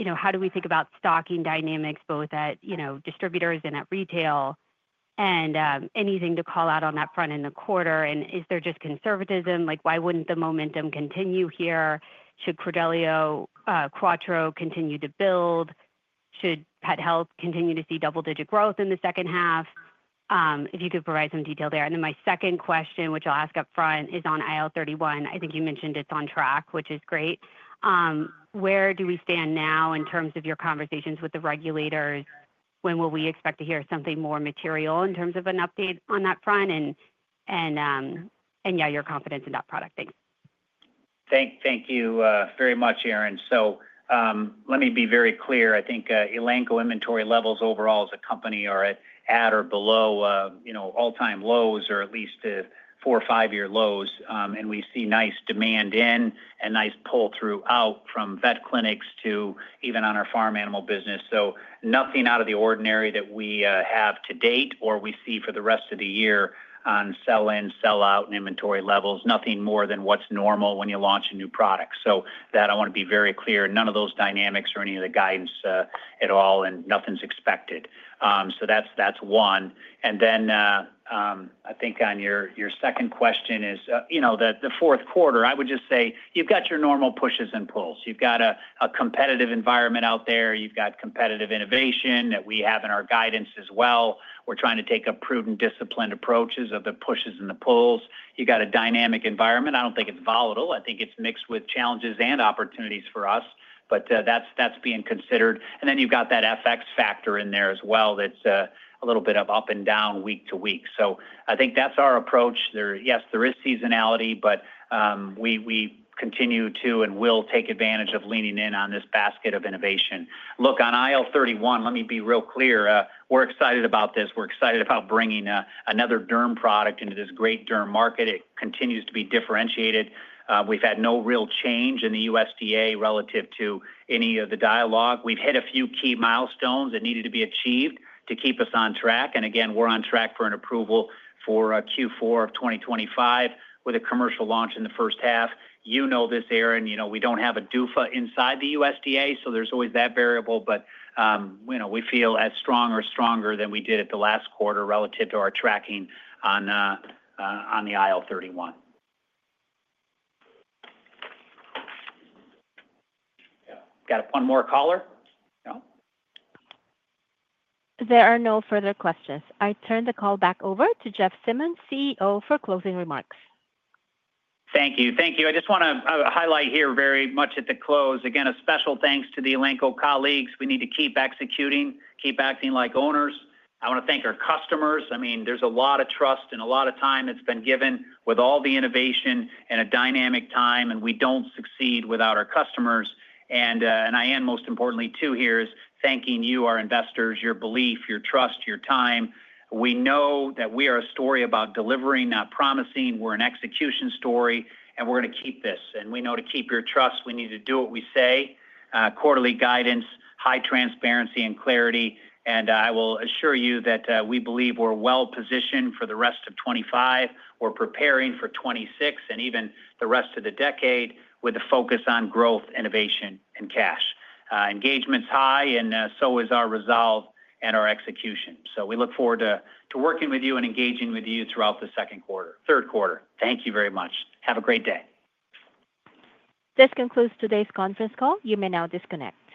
How do we think about stocking dynamics both at distributors and at retail? Anything to call out on that front in the quarter? Is there just conservatism? Why wouldn't the momentum continue here? Should Credelio Quattro continue to build? Should Pet Health continue to see double-digit growth in the second half? If you could provide some detail there. My second question, which I'll ask up front, is on IL-31. I think you mentioned it's on track, which is great. Where do we stand now in terms of your conversations with the regulators? When will we expect to hear something more material in terms of an update on that front? Your confidence in that product thing. Thank you very much, Erin. Let me be very clear. I think Elanco inventory levels overall as a company are at or below all-time lows or at least four or five-year lows. We see nice demand in and nice pull throughout from vet clinics to even on our Farm Animal business. Nothing out of the ordinary that we have to date or we see for the rest of the year on sell-in, sell-out, and inventory levels. Nothing more than what's normal when you launch a new product. I want to be very clear. None of those dynamics or any of the guidance at all, and nothing's expected. That's one. On your second question, the fourth quarter, I would just say you've got your normal pushes and pulls. You've got a competitive environment out there. You've got competitive innovation that we have in our guidance as well. We're trying to take up prudent, disciplined approaches of the pushes and the pulls. You've got a dynamic environment. I don't think it's volatile. I think it's mixed with challenges and opportunities for us. That's being considered. You've got that FX factor in there as well that's a little bit of up and down week-to-week. I think that's our approach. Yes, there is seasonality, but we continue to and will take advantage of leaning in on this basket of innovation. Look, on IL-31, let me be real clear. We're excited about this. We're excited about bringing another derm product into this great derm market. It continues to be differentiated. We've had no real change in the USDA relative to any of the dialogue. We've hit a few key milestones that needed to be achieved to keep us on track. Again, we're on track for an approval for Q4 of 2025 with a commercial launch in the first half. You know this, Erin, we don't have ADUFA inside the USDA, so there's always that variable, but we feel as strong or stronger than we did at the last quarter relative to our tracking on the IL-31. Got one more caller? There are no further questions. I turn the call back over to Jeff Simmons, CEO, for closing remarks. Thank you. Thank you. I just want to highlight here very much at the close, again, a special thanks to the Elanco colleagues. We need to keep executing, keep acting like owners. I want to thank our customers. There is a lot of trust and a lot of time that's been given with all the innovation and a dynamic time, and we don't succeed without our customers. I am, most importantly, too, here is thanking you, our investors, your belief, your trust, your time. We know that we are a story about delivering, not promising. We're an execution story, and we're going to keep this. We know to keep your trust, we need to do what we say. Quarterly guidance, high transparency, and clarity. I will assure you that we believe we're well positioned for the rest of 2025. We're preparing for 2026 and even the rest of the decade with a focus on growth, innovation, and cash. Engagement's high, and so is our resolve and our execution. We look forward to working with you and engaging with you throughout the second quarter. Third quarter, thank you very much. Have a great day. This concludes today's conference call. You may now, disconnect.